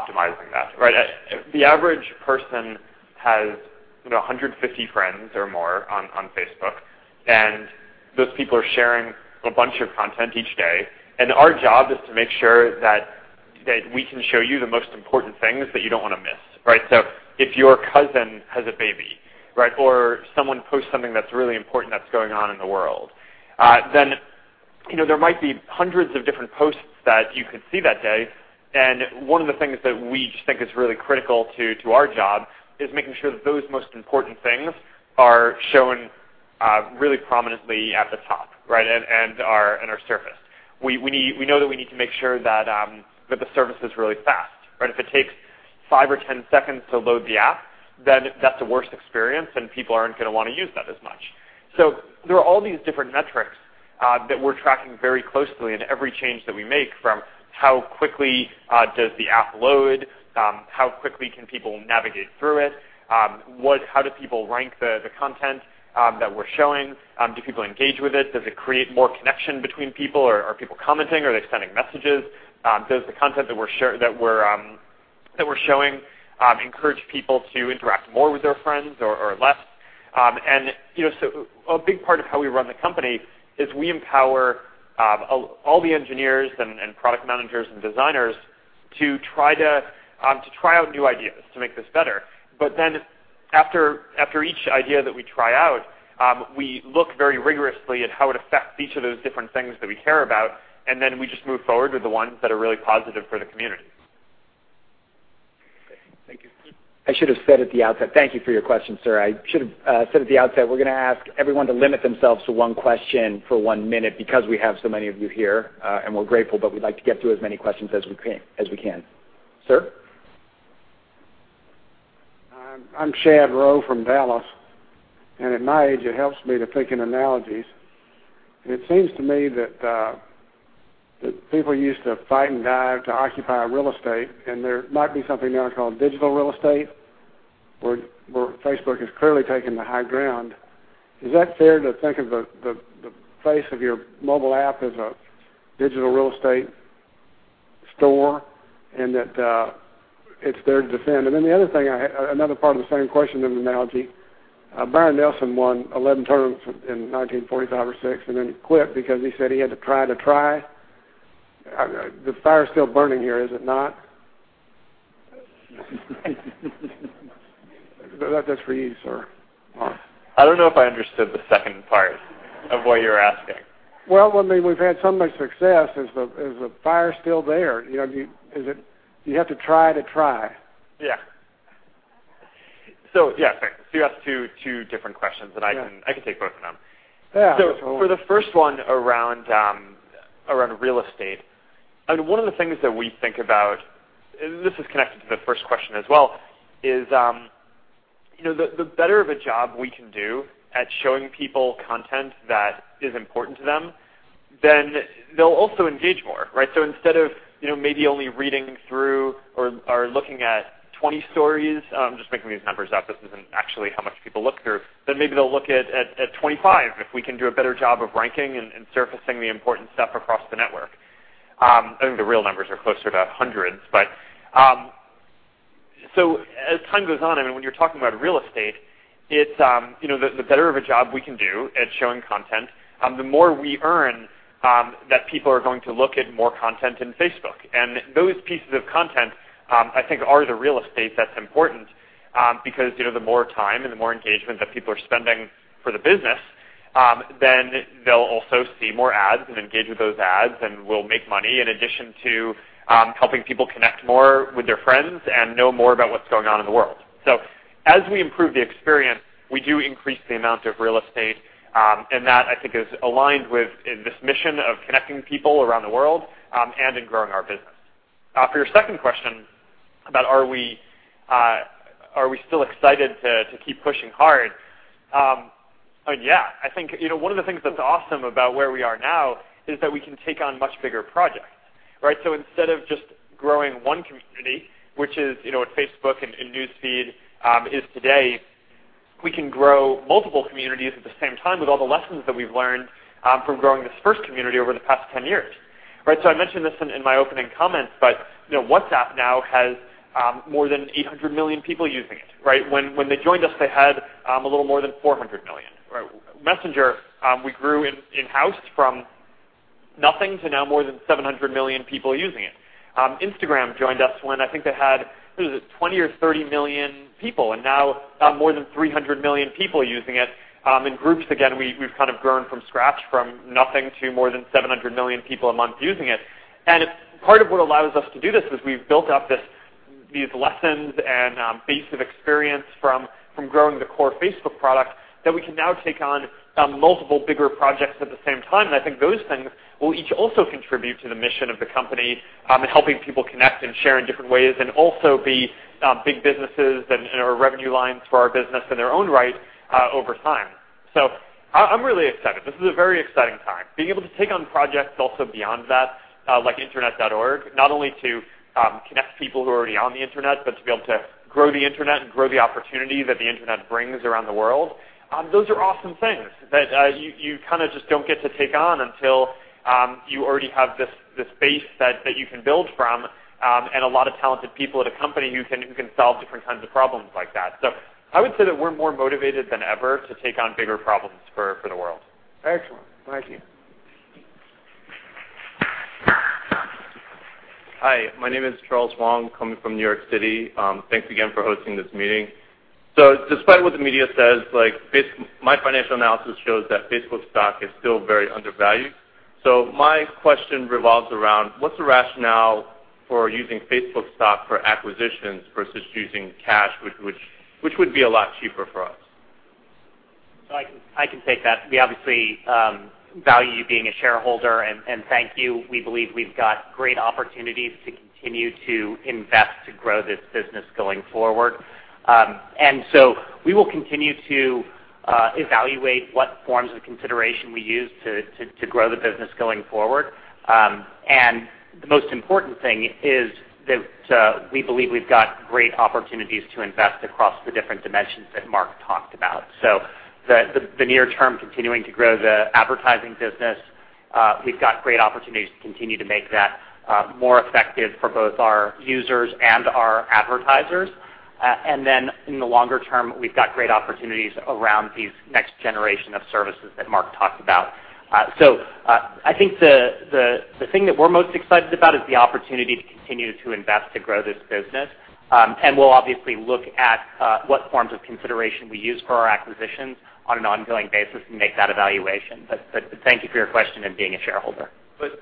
optimizing that, right? The average person has 150 friends or more on Facebook, and those people are sharing a bunch of content each day, and our job is to make sure that we can show you the most important things that you don't want to miss, right? If your cousin has a baby or someone posts something that's really important that's going on in the world, then there might be hundreds of different posts that you could see that day. One of the things that we just think is really critical to our job is making sure that those most important things are shown really prominently at the top, and are surfaced. We know that we need to make sure that the service is really fast. If it takes five or 10 seconds to load the app, then that's a worse experience, and people aren't going to want to use that as much. There are all these different metrics that we're tracking very closely in every change that we make, from how quickly does the app load, how quickly can people navigate through it? How do people rank the content that we're showing? Do people engage with it? Does it create more connection between people? Are people commenting? Are they sending messages? Does the content that we're showing encourage people to interact more with their friends or less? A big part of how we run the company is we empower all the engineers and product managers and designers to try out new ideas to make this better. After each idea that we try out, we look very rigorously at how it affects each of those different things that we care about, and then we just move forward with the ones that are really positive for the community. Okay. Thank you. I should have said at the outset Thank you for your question, sir. I should have said at the outset, we're going to ask everyone to limit themselves to one question for one minute because we have so many of you here, and we're grateful, but we'd like to get through as many questions as we can. Sir? I'm Shad Rowe from Dallas, and at my age, it helps me to think in analogies. It seems to me that people used to fight and die to occupy real estate, and there might be something now called digital real estate, where Facebook has clearly taken the high ground. Is that fair to think of the face of your mobile app as a digital real estate store, and that it's there to defend? The other thing, another part of the same question and analogy, Byron Nelson won 11 tournaments in 1945 or 1946, and then he quit because he said he had to try. The fire's still burning here, is it not? That's for you, sir Mark. I don't know if I understood the second part of what you're asking. Well, I mean, we've had so much success. Is the fire still there? You have to try to try. Yeah. Yeah, thanks. You asked two different questions, and I can take both of them. Yeah. For the first one around real estate, and one of the things that we think about, this is connected to the first question as well, is the better of a job we can do at showing people content that is important to them, then they'll also engage more, right? Instead of maybe only reading through or looking at 20 stories, I'm just making these numbers up, this isn't actually how much people look through, but maybe they'll look at 25 if we can do a better job of ranking and surfacing the important stuff across the network. I think the real numbers are closer to hundreds, as time goes on, when you're talking about real estate, the better of a job we can do at showing content, the more we earn that people are going to look at more content in Facebook. Those pieces of content, I think are the real estate that's important, because the more time and the more engagement that people are spending for the business, then they'll also see more ads and engage with those ads. We'll make money in addition to helping people connect more with their friends and know more about what's going on in the world. As we improve the experience, we do increase the amount of real estate, and that I think is aligned with this mission of connecting people around the world, and in growing our business. For your second question about are we still excited to keep pushing hard? Yeah. I think one of the things that's awesome about where we are now is that we can take on much bigger projects, right? Instead of just growing one community, which is what Facebook and News Feed is today, we can grow multiple communities at the same time with all the lessons that we've learned from growing this first community over the past 10 years. I mentioned this in my opening comments, but WhatsApp now has more than 800 million people using it. When they joined us, they had a little more than 400 million. Messenger, we grew in-house from nothing to now more than 700 million people using it. Instagram joined us when I think they had, what was it? 20 or 30 million people, and now more than 300 million people using it. In Groups, again, we've kind of grown from scratch, from nothing to more than 700 million people a month using it. Part of what allows us to do this is we've built up these lessons and base of experience from growing the core Facebook product that we can now take on multiple bigger projects at the same time. I think those things will each also contribute to the mission of the company in helping people connect and share in different ways, and also be big businesses and revenue lines for our business in their own right over time. I'm really excited. This is a very exciting time. Being able to take on projects also beyond that, like Internet.org, not only to connect people who are already on the internet, but to be able to grow the internet and grow the opportunity that the internet brings around the world. Those are awesome things that you kind of just don't get to take on until you already have this base that you can build from, and a lot of talented people at a company who can solve different kinds of problems like that. I would say that we're more motivated than ever to take on bigger problems for the world. Excellent. Thank you. Hi, my name is Charles Wong, coming from New York City. Thanks again for hosting this meeting. Despite what the media says, my financial analysis shows that Facebook stock is still very undervalued. My question revolves around, what's the rationale for using Facebook stock for acquisitions versus using cash, which would be a lot cheaper for us? I can take that. We obviously value you being a shareholder, and thank you. We believe we've got great opportunities to continue to invest to grow this business going forward. We will continue to evaluate what forms of consideration we use to grow the business going forward. The most important thing is that we believe we've got great opportunities to invest across the different dimensions that Mark talked about. The near term, continuing to grow the advertising business, we've got great opportunities to continue to make that more effective for both our users and our advertisers. In the longer term, we've got great opportunities around these next generation of services that Mark talked about. I think the thing that we're most excited about is the opportunity to continue to invest to grow this business. We'll obviously look at what forms of consideration we use for our acquisitions on an ongoing basis and make that evaluation. Thank you for your question and being a shareholder.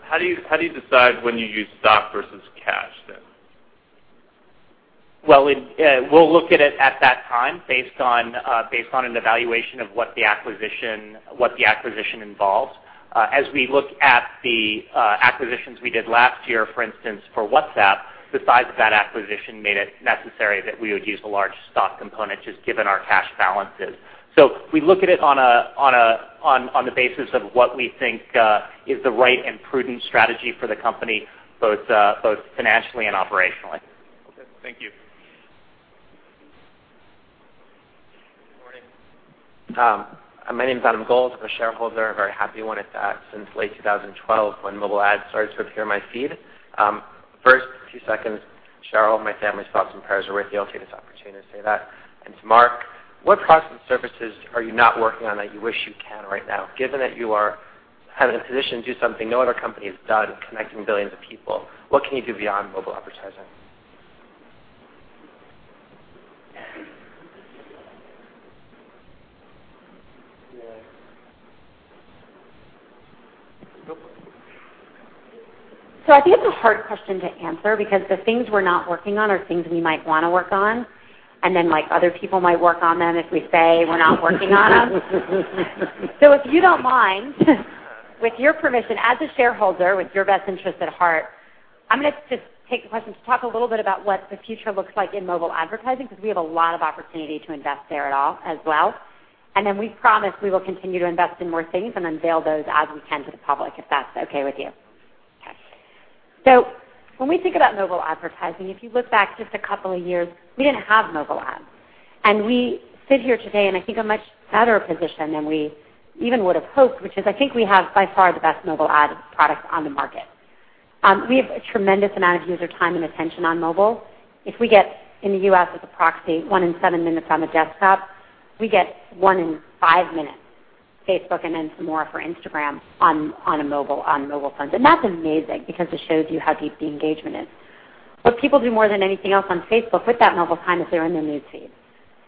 How do you decide when you use stock versus cash then? Well, we'll look at it at that time based on an evaluation of what the acquisition involves. As we look at the acquisitions we did last year, for instance, for WhatsApp, the size of that acquisition made it necessary that we would use a large stock component just given our cash balances. We look at it on the basis of what we think is the right and prudent strategy for the company, both financially and operationally. Okay. Thank you. Good morning. My name is Adam Gold. I'm a shareholder, a very happy one at that, since late 2012 when mobile ads started to appear in my feed. First few seconds, Sheryl, my family's thoughts and prayers are with you. I'll take this opportunity to say that. To Mark, what products and services are you not working on that you wish you can right now? Given that you are having the position to do something no other company has done, connecting billions of people, what can you do beyond mobile advertising? I think it's a hard question to answer because the things we're not working on are things we might want to work on, Other people might work on them if we say we're not working on them. If you don't mind, with your permission, as a shareholder, with your best interest at heart, I'm going to just take the question to talk a little bit about what the future looks like in mobile advertising, because we have a lot of opportunity to invest there as well. We promise we will continue to invest in more things and unveil those as we can to the public, if that's okay with you. Okay. When we think about mobile advertising, if you look back just a couple of years, we didn't have mobile ads. We sit here today in, I think, a much better position than we even would have hoped, which is I think we have by far the best mobile ad product on the market. We have a tremendous amount of user time and attention on mobile. If we get in the U.S. as a proxy one in seven minutes on the desktop, we get one in five minutes, Facebook, then some more for Instagram on mobile phones. That's amazing because it shows you how deep the engagement is. What people do more than anything else on Facebook with that mobile time is they're in their News Feed.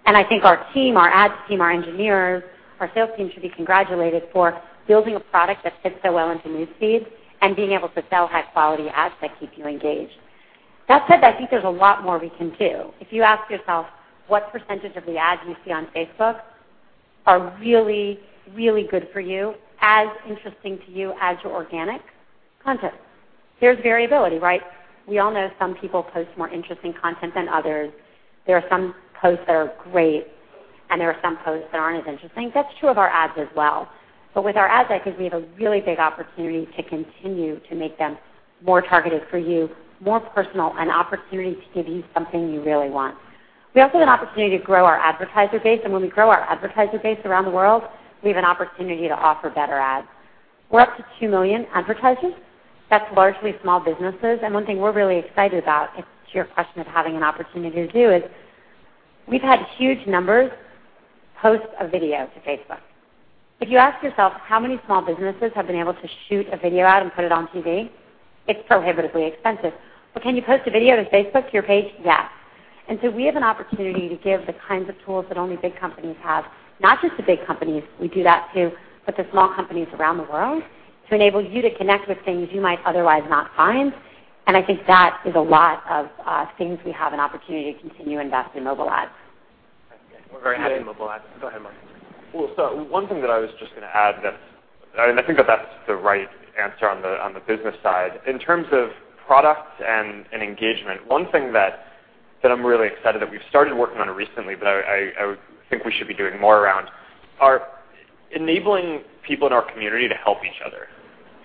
I think our team, our ads team, our engineers, our sales team should be congratulated for building a product that fits so well into News Feeds and being able to sell high-quality ads that keep you engaged. That said, I think there's a lot more we can do. If you ask yourself what % of the ads you see on Facebook are really, really good for you, as interesting to you as your organic content? There's variability, right? We all know some people post more interesting content than others. There are some posts that are great, and there are some posts that aren't as interesting. That's true of our ads as well. With our ads, I think we have a really big opportunity to continue to make them more targeted for you, more personal, an opportunity to give you something you really want. We also have an opportunity to grow our advertiser base, and when we grow our advertiser base around the world, we have an opportunity to offer better ads. We're up to 2 million advertisers. That's largely small businesses, one thing we're really excited about, to your question of having an opportunity to do is We've had huge numbers post a video to Facebook. If you ask yourself how many small businesses have been able to shoot a video ad and put it on TV, it's prohibitively expensive. Can you post a video to Facebook, to your page? Yes. We have an opportunity to give the kinds of tools that only big companies have, not just to big companies, we do that too, but to small companies around the world to enable you to connect with things you might otherwise not find. I think that is a lot of things we have an opportunity to continue to invest in mobile ads. We're very happy with mobile ads. Go ahead, Mark. One thing that I was just going to add, I think that that's the right answer on the business side. In terms of product and engagement, one thing that I'm really excited that we've started working on recently, I think we should be doing more around, are enabling people in our community to help each other.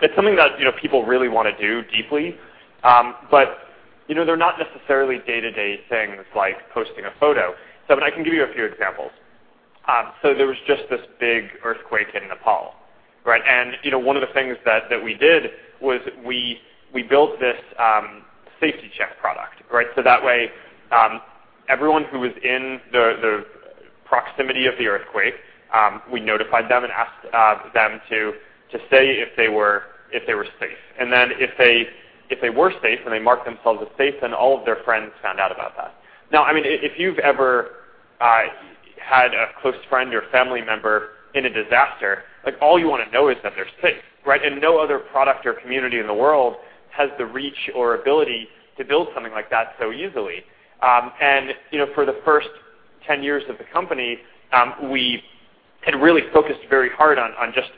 It's something that people really want to do deeply. They're not necessarily day-to-day things like posting a photo. I can give you a few examples. There was just this big earthquake in Nepal, right? One of the things that we did was we built this Safety Check product, right? That way, everyone who was in the proximity of the earthquake, we notified them and asked them to say if they were safe. If they were safe, and they marked themselves as safe, all of their friends found out about that. Now, if you've ever had a close friend or family member in a disaster, all you want to know is that they're safe, right? No other product or community in the world has the reach or ability to build something like that so easily. For the first 10 years of the company, we had really focused very hard on just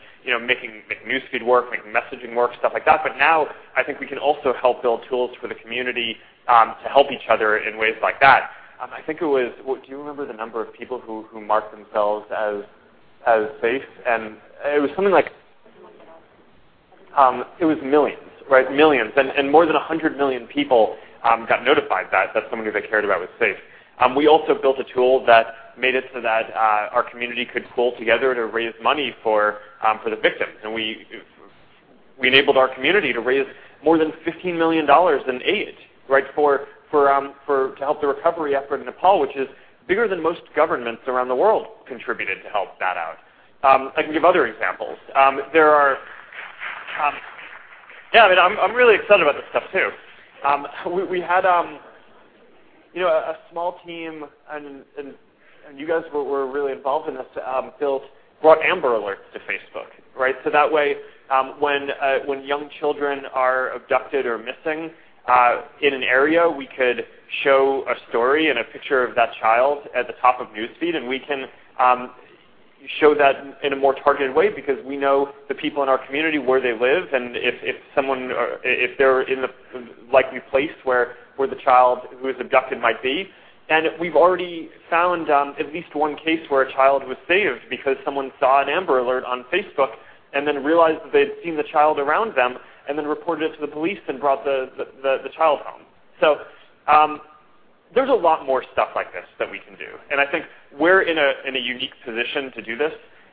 making News Feed work, making messaging work, stuff like that. Now, I think we can also help build tools for the community to help each other in ways like that. Do you remember the number of people who marked themselves as safe? It was something like. It was millions. It was millions, right? Millions. More than 100 million people got notified that somebody they cared about was safe. We also built a tool that made it so that our community could pool together to raise money for the victims. We enabled our community to raise more than $15 million in aid, right, to help the recovery effort in Nepal, which is bigger than most governments around the world contributed to help that out. I can give other examples. Yeah, I'm really excited about this stuff too. We had a small team, and you guys were really involved in this, brought AMBER Alerts to Facebook, right? That way, when young children are abducted or missing in an area, we could show a story and a picture of that child at the top of News Feed, and we can show that in a more targeted way because we know the people in our community, where they live, and if they're in the likely place where the child who was abducted might be. We've already found at least one case where a child was saved because someone saw an AMBER Alert on Facebook and then realized that they'd seen the child around them and then reported it to the police and brought the child home. There's a lot more stuff like this that we can do. I think we're in a unique position to do this.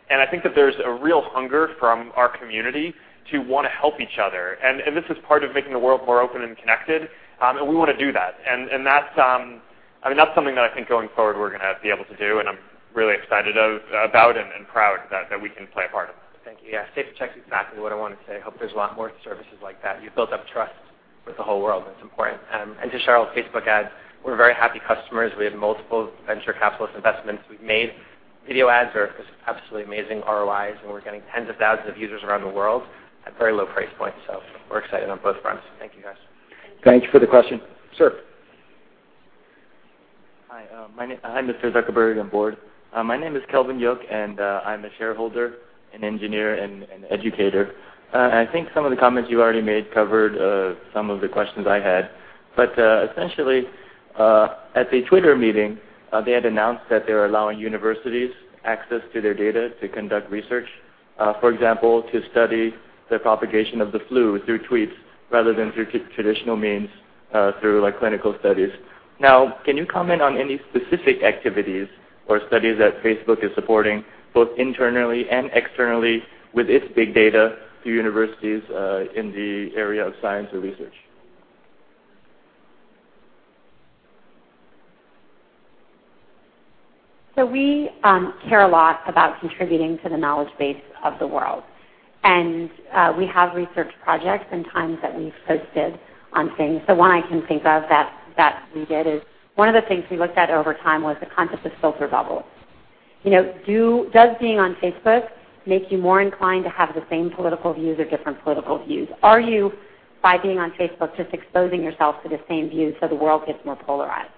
I think that there's a real hunger from our community to want to help each other. This is part of making the world more open and connected, and we want to do that. That's something that I think going forward, we're going to be able to do, and I'm really excited about and proud that we can play a part in. Thank you. Yeah. Safety Check is exactly what I wanted to say. I hope there's a lot more services like that. You've built up trust with the whole world, and it's important. To Sheryl, Facebook ads, we're very happy customers. We have multiple venture capitalist investments we've made. Video ads are just absolutely amazing ROIs, and we're getting tens of thousands of users around the world at very low price points. We're excited on both fronts. Thank you, guys. Thank you. Thanks for the question. Sir. Hi, Mr. Zuckerberg, and board. My name is Calvin Yoke, and I'm a shareholder, an engineer, and educator. I think some of the comments you already made covered some of the questions I had. Essentially, at the Twitter meeting, they had announced that they were allowing universities access to their data to conduct research. For example, to study the propagation of the flu through tweets rather than through traditional means, through clinical studies. Now, can you comment on any specific activities or studies that Facebook is supporting, both internally and externally, with its big data to universities in the area of science or research? We care a lot about contributing to the knowledge base of the world. We have research projects and times that we've posted on things. One I can think of that we did is, one of the things we looked at over time was the concept of filter bubbles. Does being on Facebook make you more inclined to have the same political views or different political views? Are you, by being on Facebook, just exposing yourself to the same views so the world gets more polarized?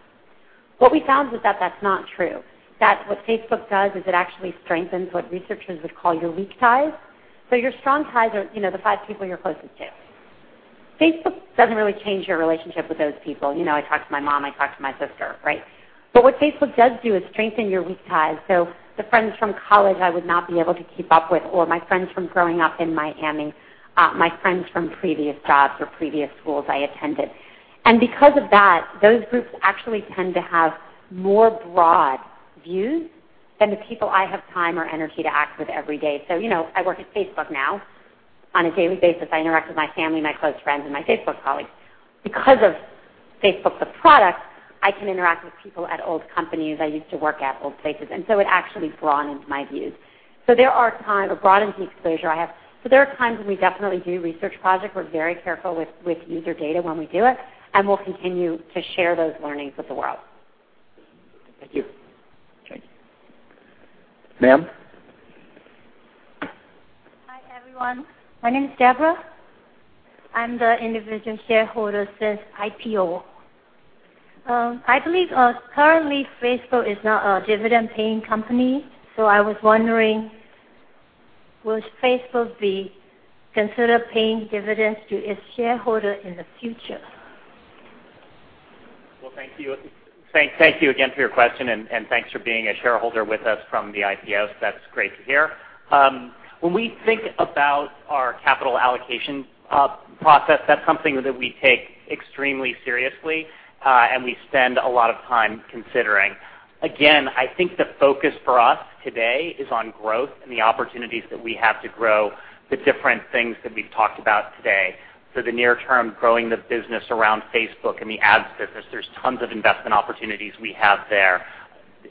What we found was that that's not true, that what Facebook does is it actually strengthens what researchers would call your weak ties. Your strong ties are the five people you're closest to. Facebook doesn't really change your relationship with those people. I talk to my mom, I talk to my sister, right? What Facebook does do is strengthen your weak ties, the friends from college I would not be able to keep up with, or my friends from growing up in Miami, my friends from previous jobs or previous schools I attended. Because of that, those groups actually tend to have more broad views than the people I have time or energy to act with every day. I work at Facebook now. On a daily basis, I interact with my family, my close friends, and my Facebook colleagues. Because of Facebook the product, I can interact with people at old companies I used to work at, old places. It actually broadens my views or broadens the exposure I have. There are times when we definitely do research projects. We're very careful with user data when we do it, we'll continue to share those learnings with the world. Thank you. Thank you. Ma'am? Hi, everyone. My name is Debra. I'm the individual shareholder since IPO. I believe currently Facebook is not a dividend-paying company. I was wondering, will Facebook be consider paying dividends to its shareholder in the future? Well, thank you again for your question, and thanks for being a shareholder with us from the IPO. That's great to hear. When we think about our capital allocation process, that's something that we take extremely seriously, and we spend a lot of time considering. Again, I think the focus for us today is on growth and the opportunities that we have to grow the different things that we've talked about today. The near term, growing the business around Facebook and the ads business, there's tons of investment opportunities we have there.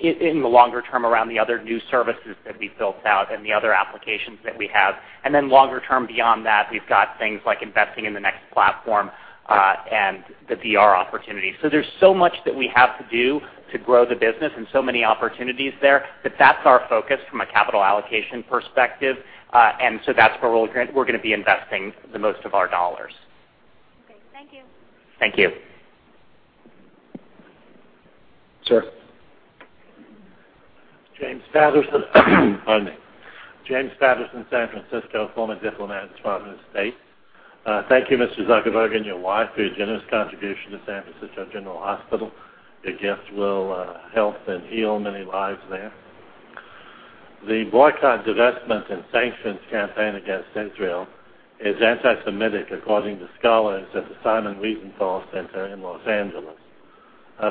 In the longer term, around the other new services that we built out and the other applications that we have. Longer term beyond that, we've got things like investing in the next platform, and the VR opportunity. There's so much that we have to do to grow the business and so many opportunities there that that's our focus from a capital allocation perspective. That's where we're going to be investing the most of our dollars. Okay. Thank you. Thank you. Sir. James Patterson. Pardon me. James Patterson, San Francisco, former diplomat at the Department of State. Thank you, Mr. Zuckerberg, and your wife, for your generous contribution to San Francisco General Hospital. Your gift will help and heal many lives there. The Boycott, Divestment, and Sanctions campaign against Israel is antisemitic according to scholars at the Simon Wiesenthal Center in Los Angeles.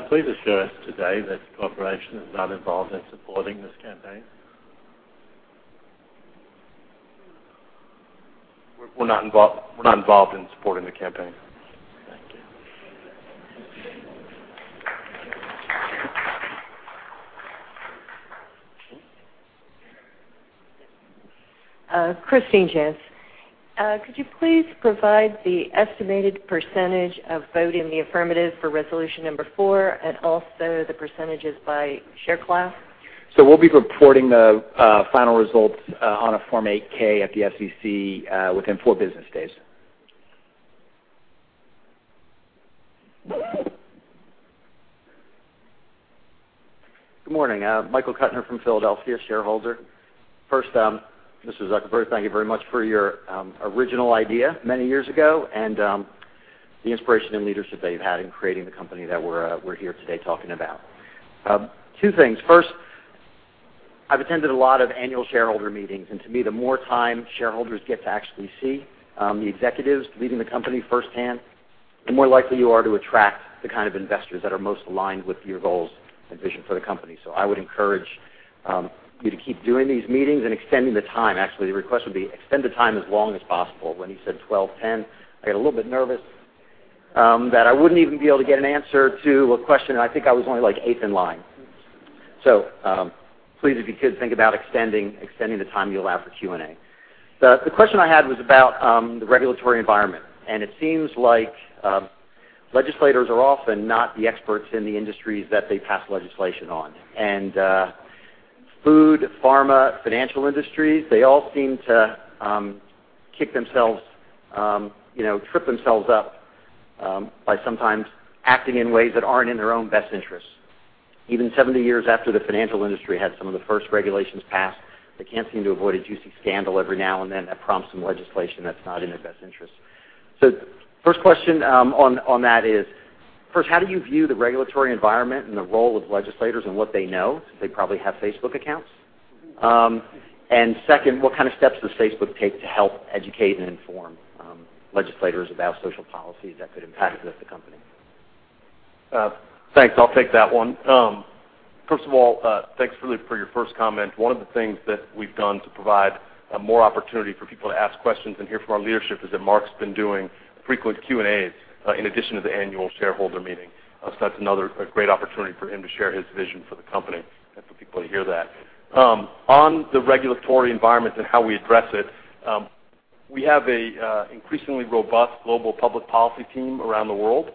Please assure us today that the corporation is not involved in supporting this campaign. We're not involved in supporting the campaign. Thank you. Christine Jantz. Could you please provide the estimated percentage of vote in the affirmative for resolution number four, and also the percentages by share class? We'll be reporting the final results on a Form 8-K at the SEC within four business days. Good morning. Michael Kutner from Philadelphia, shareholder. First, Mr. Zuckerberg, thank you very much for your original idea many years ago and the inspiration and leadership that you've had in creating the company that we're here today talking about. Two things. First, I've attended a lot of annual shareholder meetings, and to me, the more time shareholders get to actually see the executives leading the company firsthand, the more likely you are to attract the kind of investors that are most aligned with your goals and vision for the company. I would encourage you to keep doing these meetings and extending the time. Actually, the request would be extend the time as long as possible. When you said 12:10 P.M., I got a little bit nervous that I wouldn't even be able to get an answer to a question, and I think I was only eighth in line. Please, if you could think about extending the time you allow for Q&A. The question I had was about the regulatory environment, it seems like legislators are often not the experts in the industries that they pass legislation on. Food, pharma, financial industries, they all seem to trip themselves up by sometimes acting in ways that aren't in their own best interests. Even 70 years after the financial industry had some of the first regulations passed, they can't seem to avoid a juicy scandal every now and then that prompts some legislation that's not in their best interest. First question on that is, first, how do you view the regulatory environment and the role of legislators and what they know, since they probably have Facebook accounts? Second, what kind of steps does Facebook take to help educate and inform legislators about social policies that could impact the company? Thanks. I'll take that one. First of all, thanks really for your first comment. One of the things that we've done to provide more opportunity for people to ask questions and hear from our leadership is that Mark's been doing frequent Q&As in addition to the annual shareholder meeting. That's another great opportunity for him to share his vision for the company and for people to hear that. On the regulatory environment and how we address it, we have an increasingly robust global public policy team around the world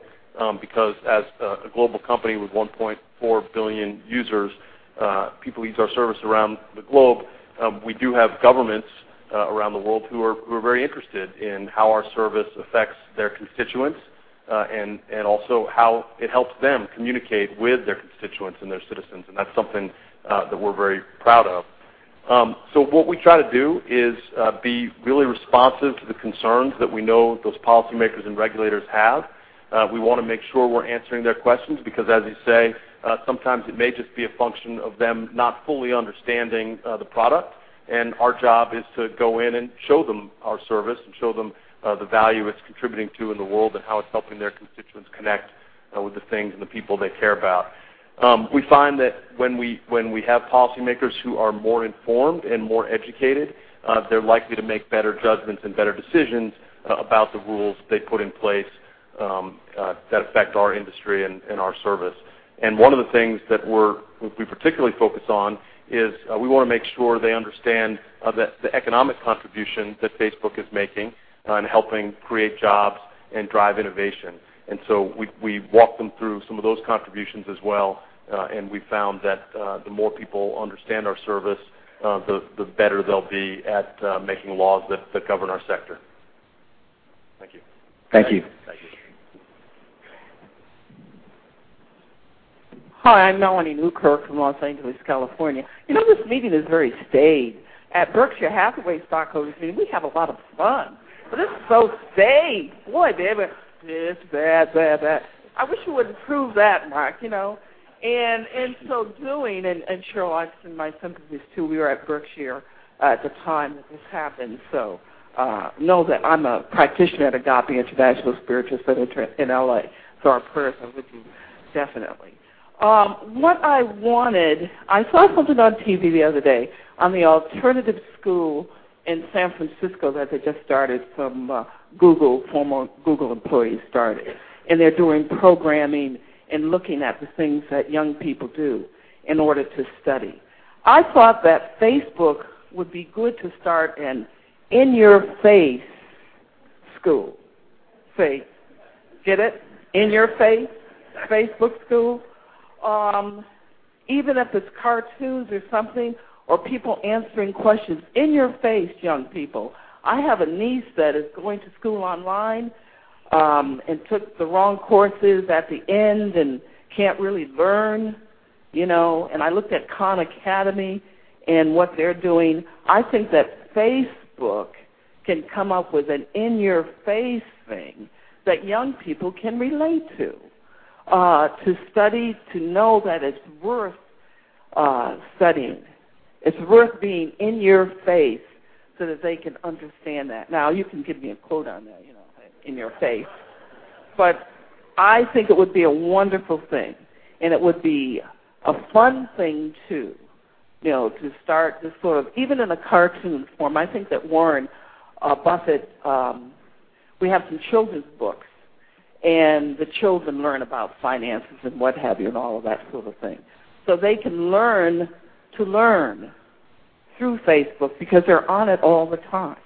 because as a global company with 1.4 billion users, people use our service around the globe. We do have governments around the world who are very interested in how our service affects their constituents, and also how it helps them communicate with their constituents and their citizens, and that's something that we're very proud of. What we try to do is be really responsive to the concerns that we know those policymakers and regulators have. We want to make sure we're answering their questions because, as you say, sometimes it may just be a function of them not fully understanding the product, and our job is to go in and show them our service and show them the value it's contributing to in the world and how it's helping their constituents connect With the things and the people they care about. We find that when we have policymakers who are more informed and more educated, they're likely to make better judgments and better decisions about the rules they put in place that affect our industry and our service. One of the things that we particularly focus on is we want to make sure they understand the economic contribution that Facebook is making in helping create jobs and drive innovation. We walk them through some of those contributions as well, and we've found that the more people understand our service, the better they'll be at making laws that govern our sector. Thank you. Thank you. Thank you. Hi, I'm Melanie Newkirk from L.A., California. You know, this meeting is very staid. At Berkshire Hathaway stockholders' meeting, we have a lot of fun. This is so staid. Boy, they went this, that. I wish you wouldn't approve that, Mark. So doing, and Sheryl, I send my sympathies, too. We were at Berkshire at the time that this happened. Know that I'm a practitioner at Agape International Spiritual Center in L.A. Our prayers are with you definitely. What I wanted, I saw something on TV the other day on the alternative school in San Francisco that they just started from Google, former Google employees started. They're doing programming and looking at the things that young people do in order to study. I thought that Facebook would be good to start an in-your-face school. Face. Get it? In-your-face Facebook school. Even if it's cartoons or something, people answering questions. In your face, young people. I have a niece that is going to school online. Took the wrong courses at the end and can't really learn. I looked at Khan Academy and what they're doing. I think that Facebook can come up with an in-your-face thing that young people can relate to study, to know that it's worth studying. It's worth being in your face so that they can understand that. Now, you can give me a quote on that, in your face. I think it would be a wonderful thing. It would be a fun thing, too, to start this sort of Even in a cartoon form. I think that Warren Buffett. We have some children's books, and the children learn about finances and what have you and all of that sort of thing. They can learn to learn through Facebook because they're on it all the time.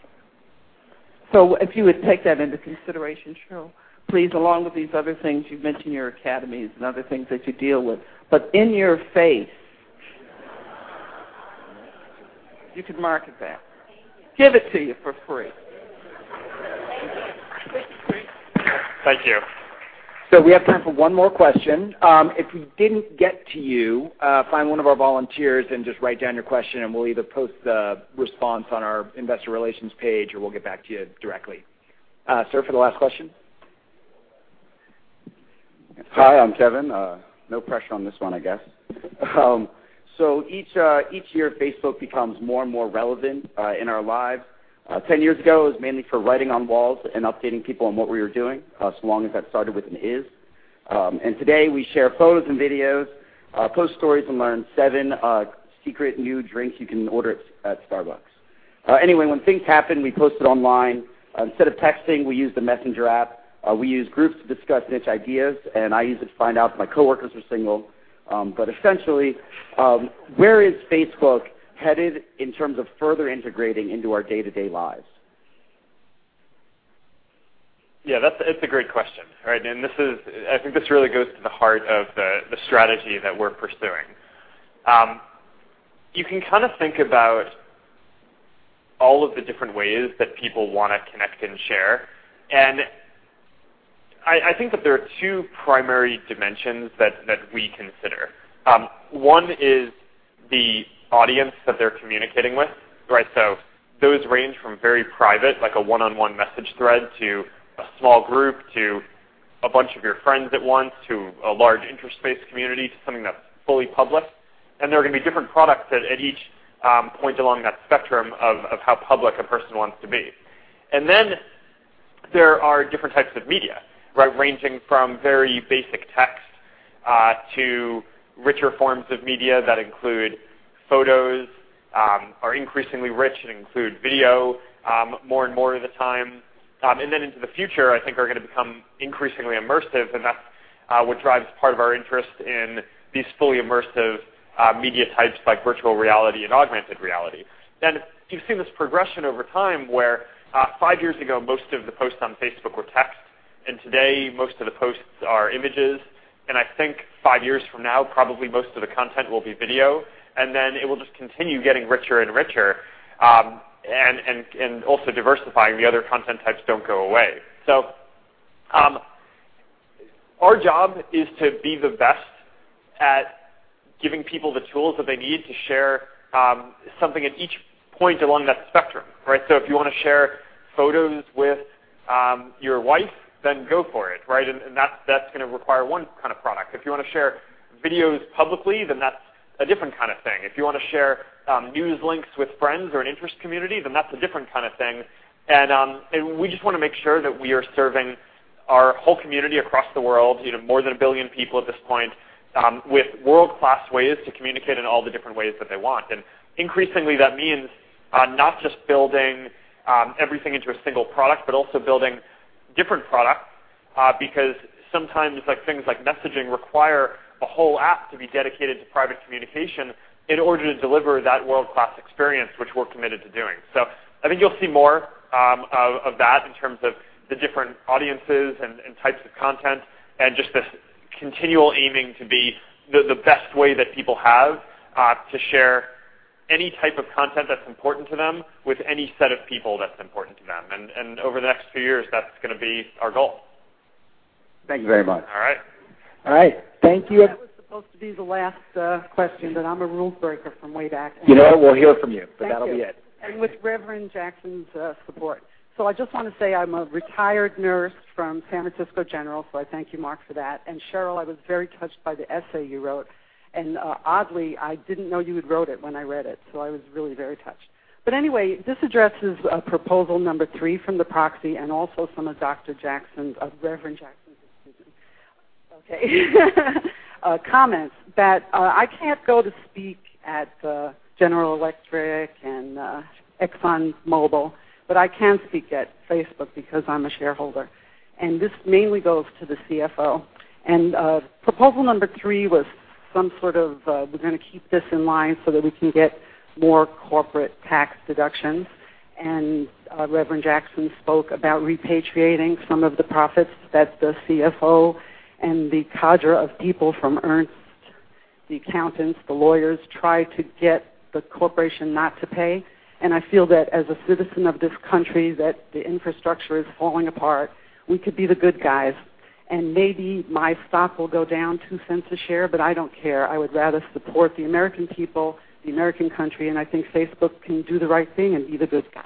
If you would take that into consideration, Sheryl, please, along with these other things you've mentioned, your Academies and other things that you deal with. In your face. You could market that. Thank you. Give it to you for free. Thank you. Thank you. We have time for one more question. If we didn't get to you, find one of our volunteers and just write down your question, and we'll either post the response on our investor relations page, or we'll get back to you directly. Sir, for the last question. Hi, I'm Kevin. No pressure on this one, I guess. Each year, Facebook becomes more and more relevant in our lives. 10 years ago, it was mainly for writing on walls and updating people on what we were doing, so long as that started with an is. Today, we share photos and videos, post stories, and learn seven secret new drinks you can order at Starbucks. When things happen, we post it online. Instead of texting, we use the Messenger app. We use Groups to discuss niche ideas, and I use it to find out if my coworkers are single. Essentially, where is Facebook headed in terms of further integrating into our day-to-day lives? Yeah, it's a great question. I think this really goes to the heart of the strategy that we're pursuing. You can kind of think about all of the different ways that people want to connect and share, and I think that there are two primary dimensions that we consider. One is the audience that they're communicating with. Those range from very private, like a one-on-one message thread, to a small group, to a bunch of your friends at once, to a large interest-based community, to something that's fully public. There are going to be different products at each point along that spectrum of how public a person wants to be. Then there are different types of media, ranging from very basic text to richer forms of media that include photos, are increasingly rich and include video more and more of the time. Then into the future, I think are going to become increasingly immersive, and that's what drives part of our interest in these fully immersive media types like virtual reality and augmented reality. Then you've seen this progression over time where five years ago, most of the posts on Facebook were text, today, most of the posts are images, and I think five years from now, probably most of the content will be video, then it will just continue getting richer and richer. Also diversifying. The other content types don't go away. Our job is to be the best at giving people the tools that they need to share something at each point along that spectrum. If you want to share photos with your wife, then go for it. That's going to require one kind of product. If you want to share videos publicly, then that's a different kind of thing. If you want to share news links with friends or an interest community, then that's a different kind of thing. We just want to make sure that we are serving our whole community across the world, more than 1 billion people at this point, with world-class ways to communicate in all the different ways that they want. Increasingly, that means not just building everything into a single product, but also building different products, because sometimes things like messaging require a whole app to be dedicated to private communication in order to deliver that world-class experience, which we're committed to doing. I think you'll see more of that in terms of the different audiences and types of content, and just this continual aiming to be the best way that people have to share any type of content that's important to them with any set of people that's important to them. Over the next few years, that's going to be our goal. Thank you very much. All right. All right. Thank you. That was supposed to be the last question, but I'm a rule breaker from way back. You know what? We'll hear from you, but that'll be it. Thank you. With Reverend Jackson's support. I just want to say I'm a retired nurse from San Francisco General, so I thank you, Mark, for that. Sheryl, I was very touched by the essay you wrote. Oddly, I didn't know you had wrote it when I read it, so I was really very touched. Anyway, this addresses proposal number 3 from the proxy and also some of Dr. Jackson's, Reverend Jackson's, excuse me, okay, comments that I can't go to speak at General Electric and ExxonMobil, but I can speak at Facebook because I'm a shareholder, and this mainly goes to the CFO. Proposal number 3 was some sort of, we're going to keep this in line so that we can get more corporate tax deductions. Reverend Jackson spoke about repatriating some of the profits that the CFO and the cadre of people from Ernst, the accountants, the lawyers, try to get the corporation not to pay. I feel that as a citizen of this country, that the infrastructure is falling apart. We could be the good guys, and maybe my stock will go down $0.02 a share, but I don't care. I would rather support the American people, the American country, and I think Facebook can do the right thing and be the good guys.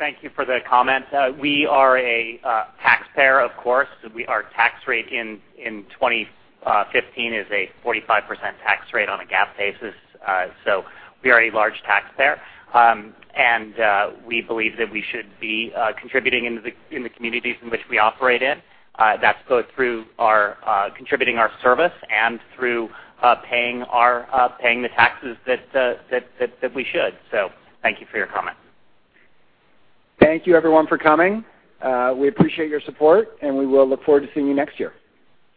Thank you for the comment. We are a taxpayer, of course. Our tax rate in 2015 is a 45% tax rate on a GAAP basis. We are a large taxpayer. We believe that we should be contributing in the communities in which we operate in. That's both through contributing our service and through paying the taxes that we should. Thank you for your comment. Thank you everyone for coming. We appreciate your support, and we will look forward to seeing you next year.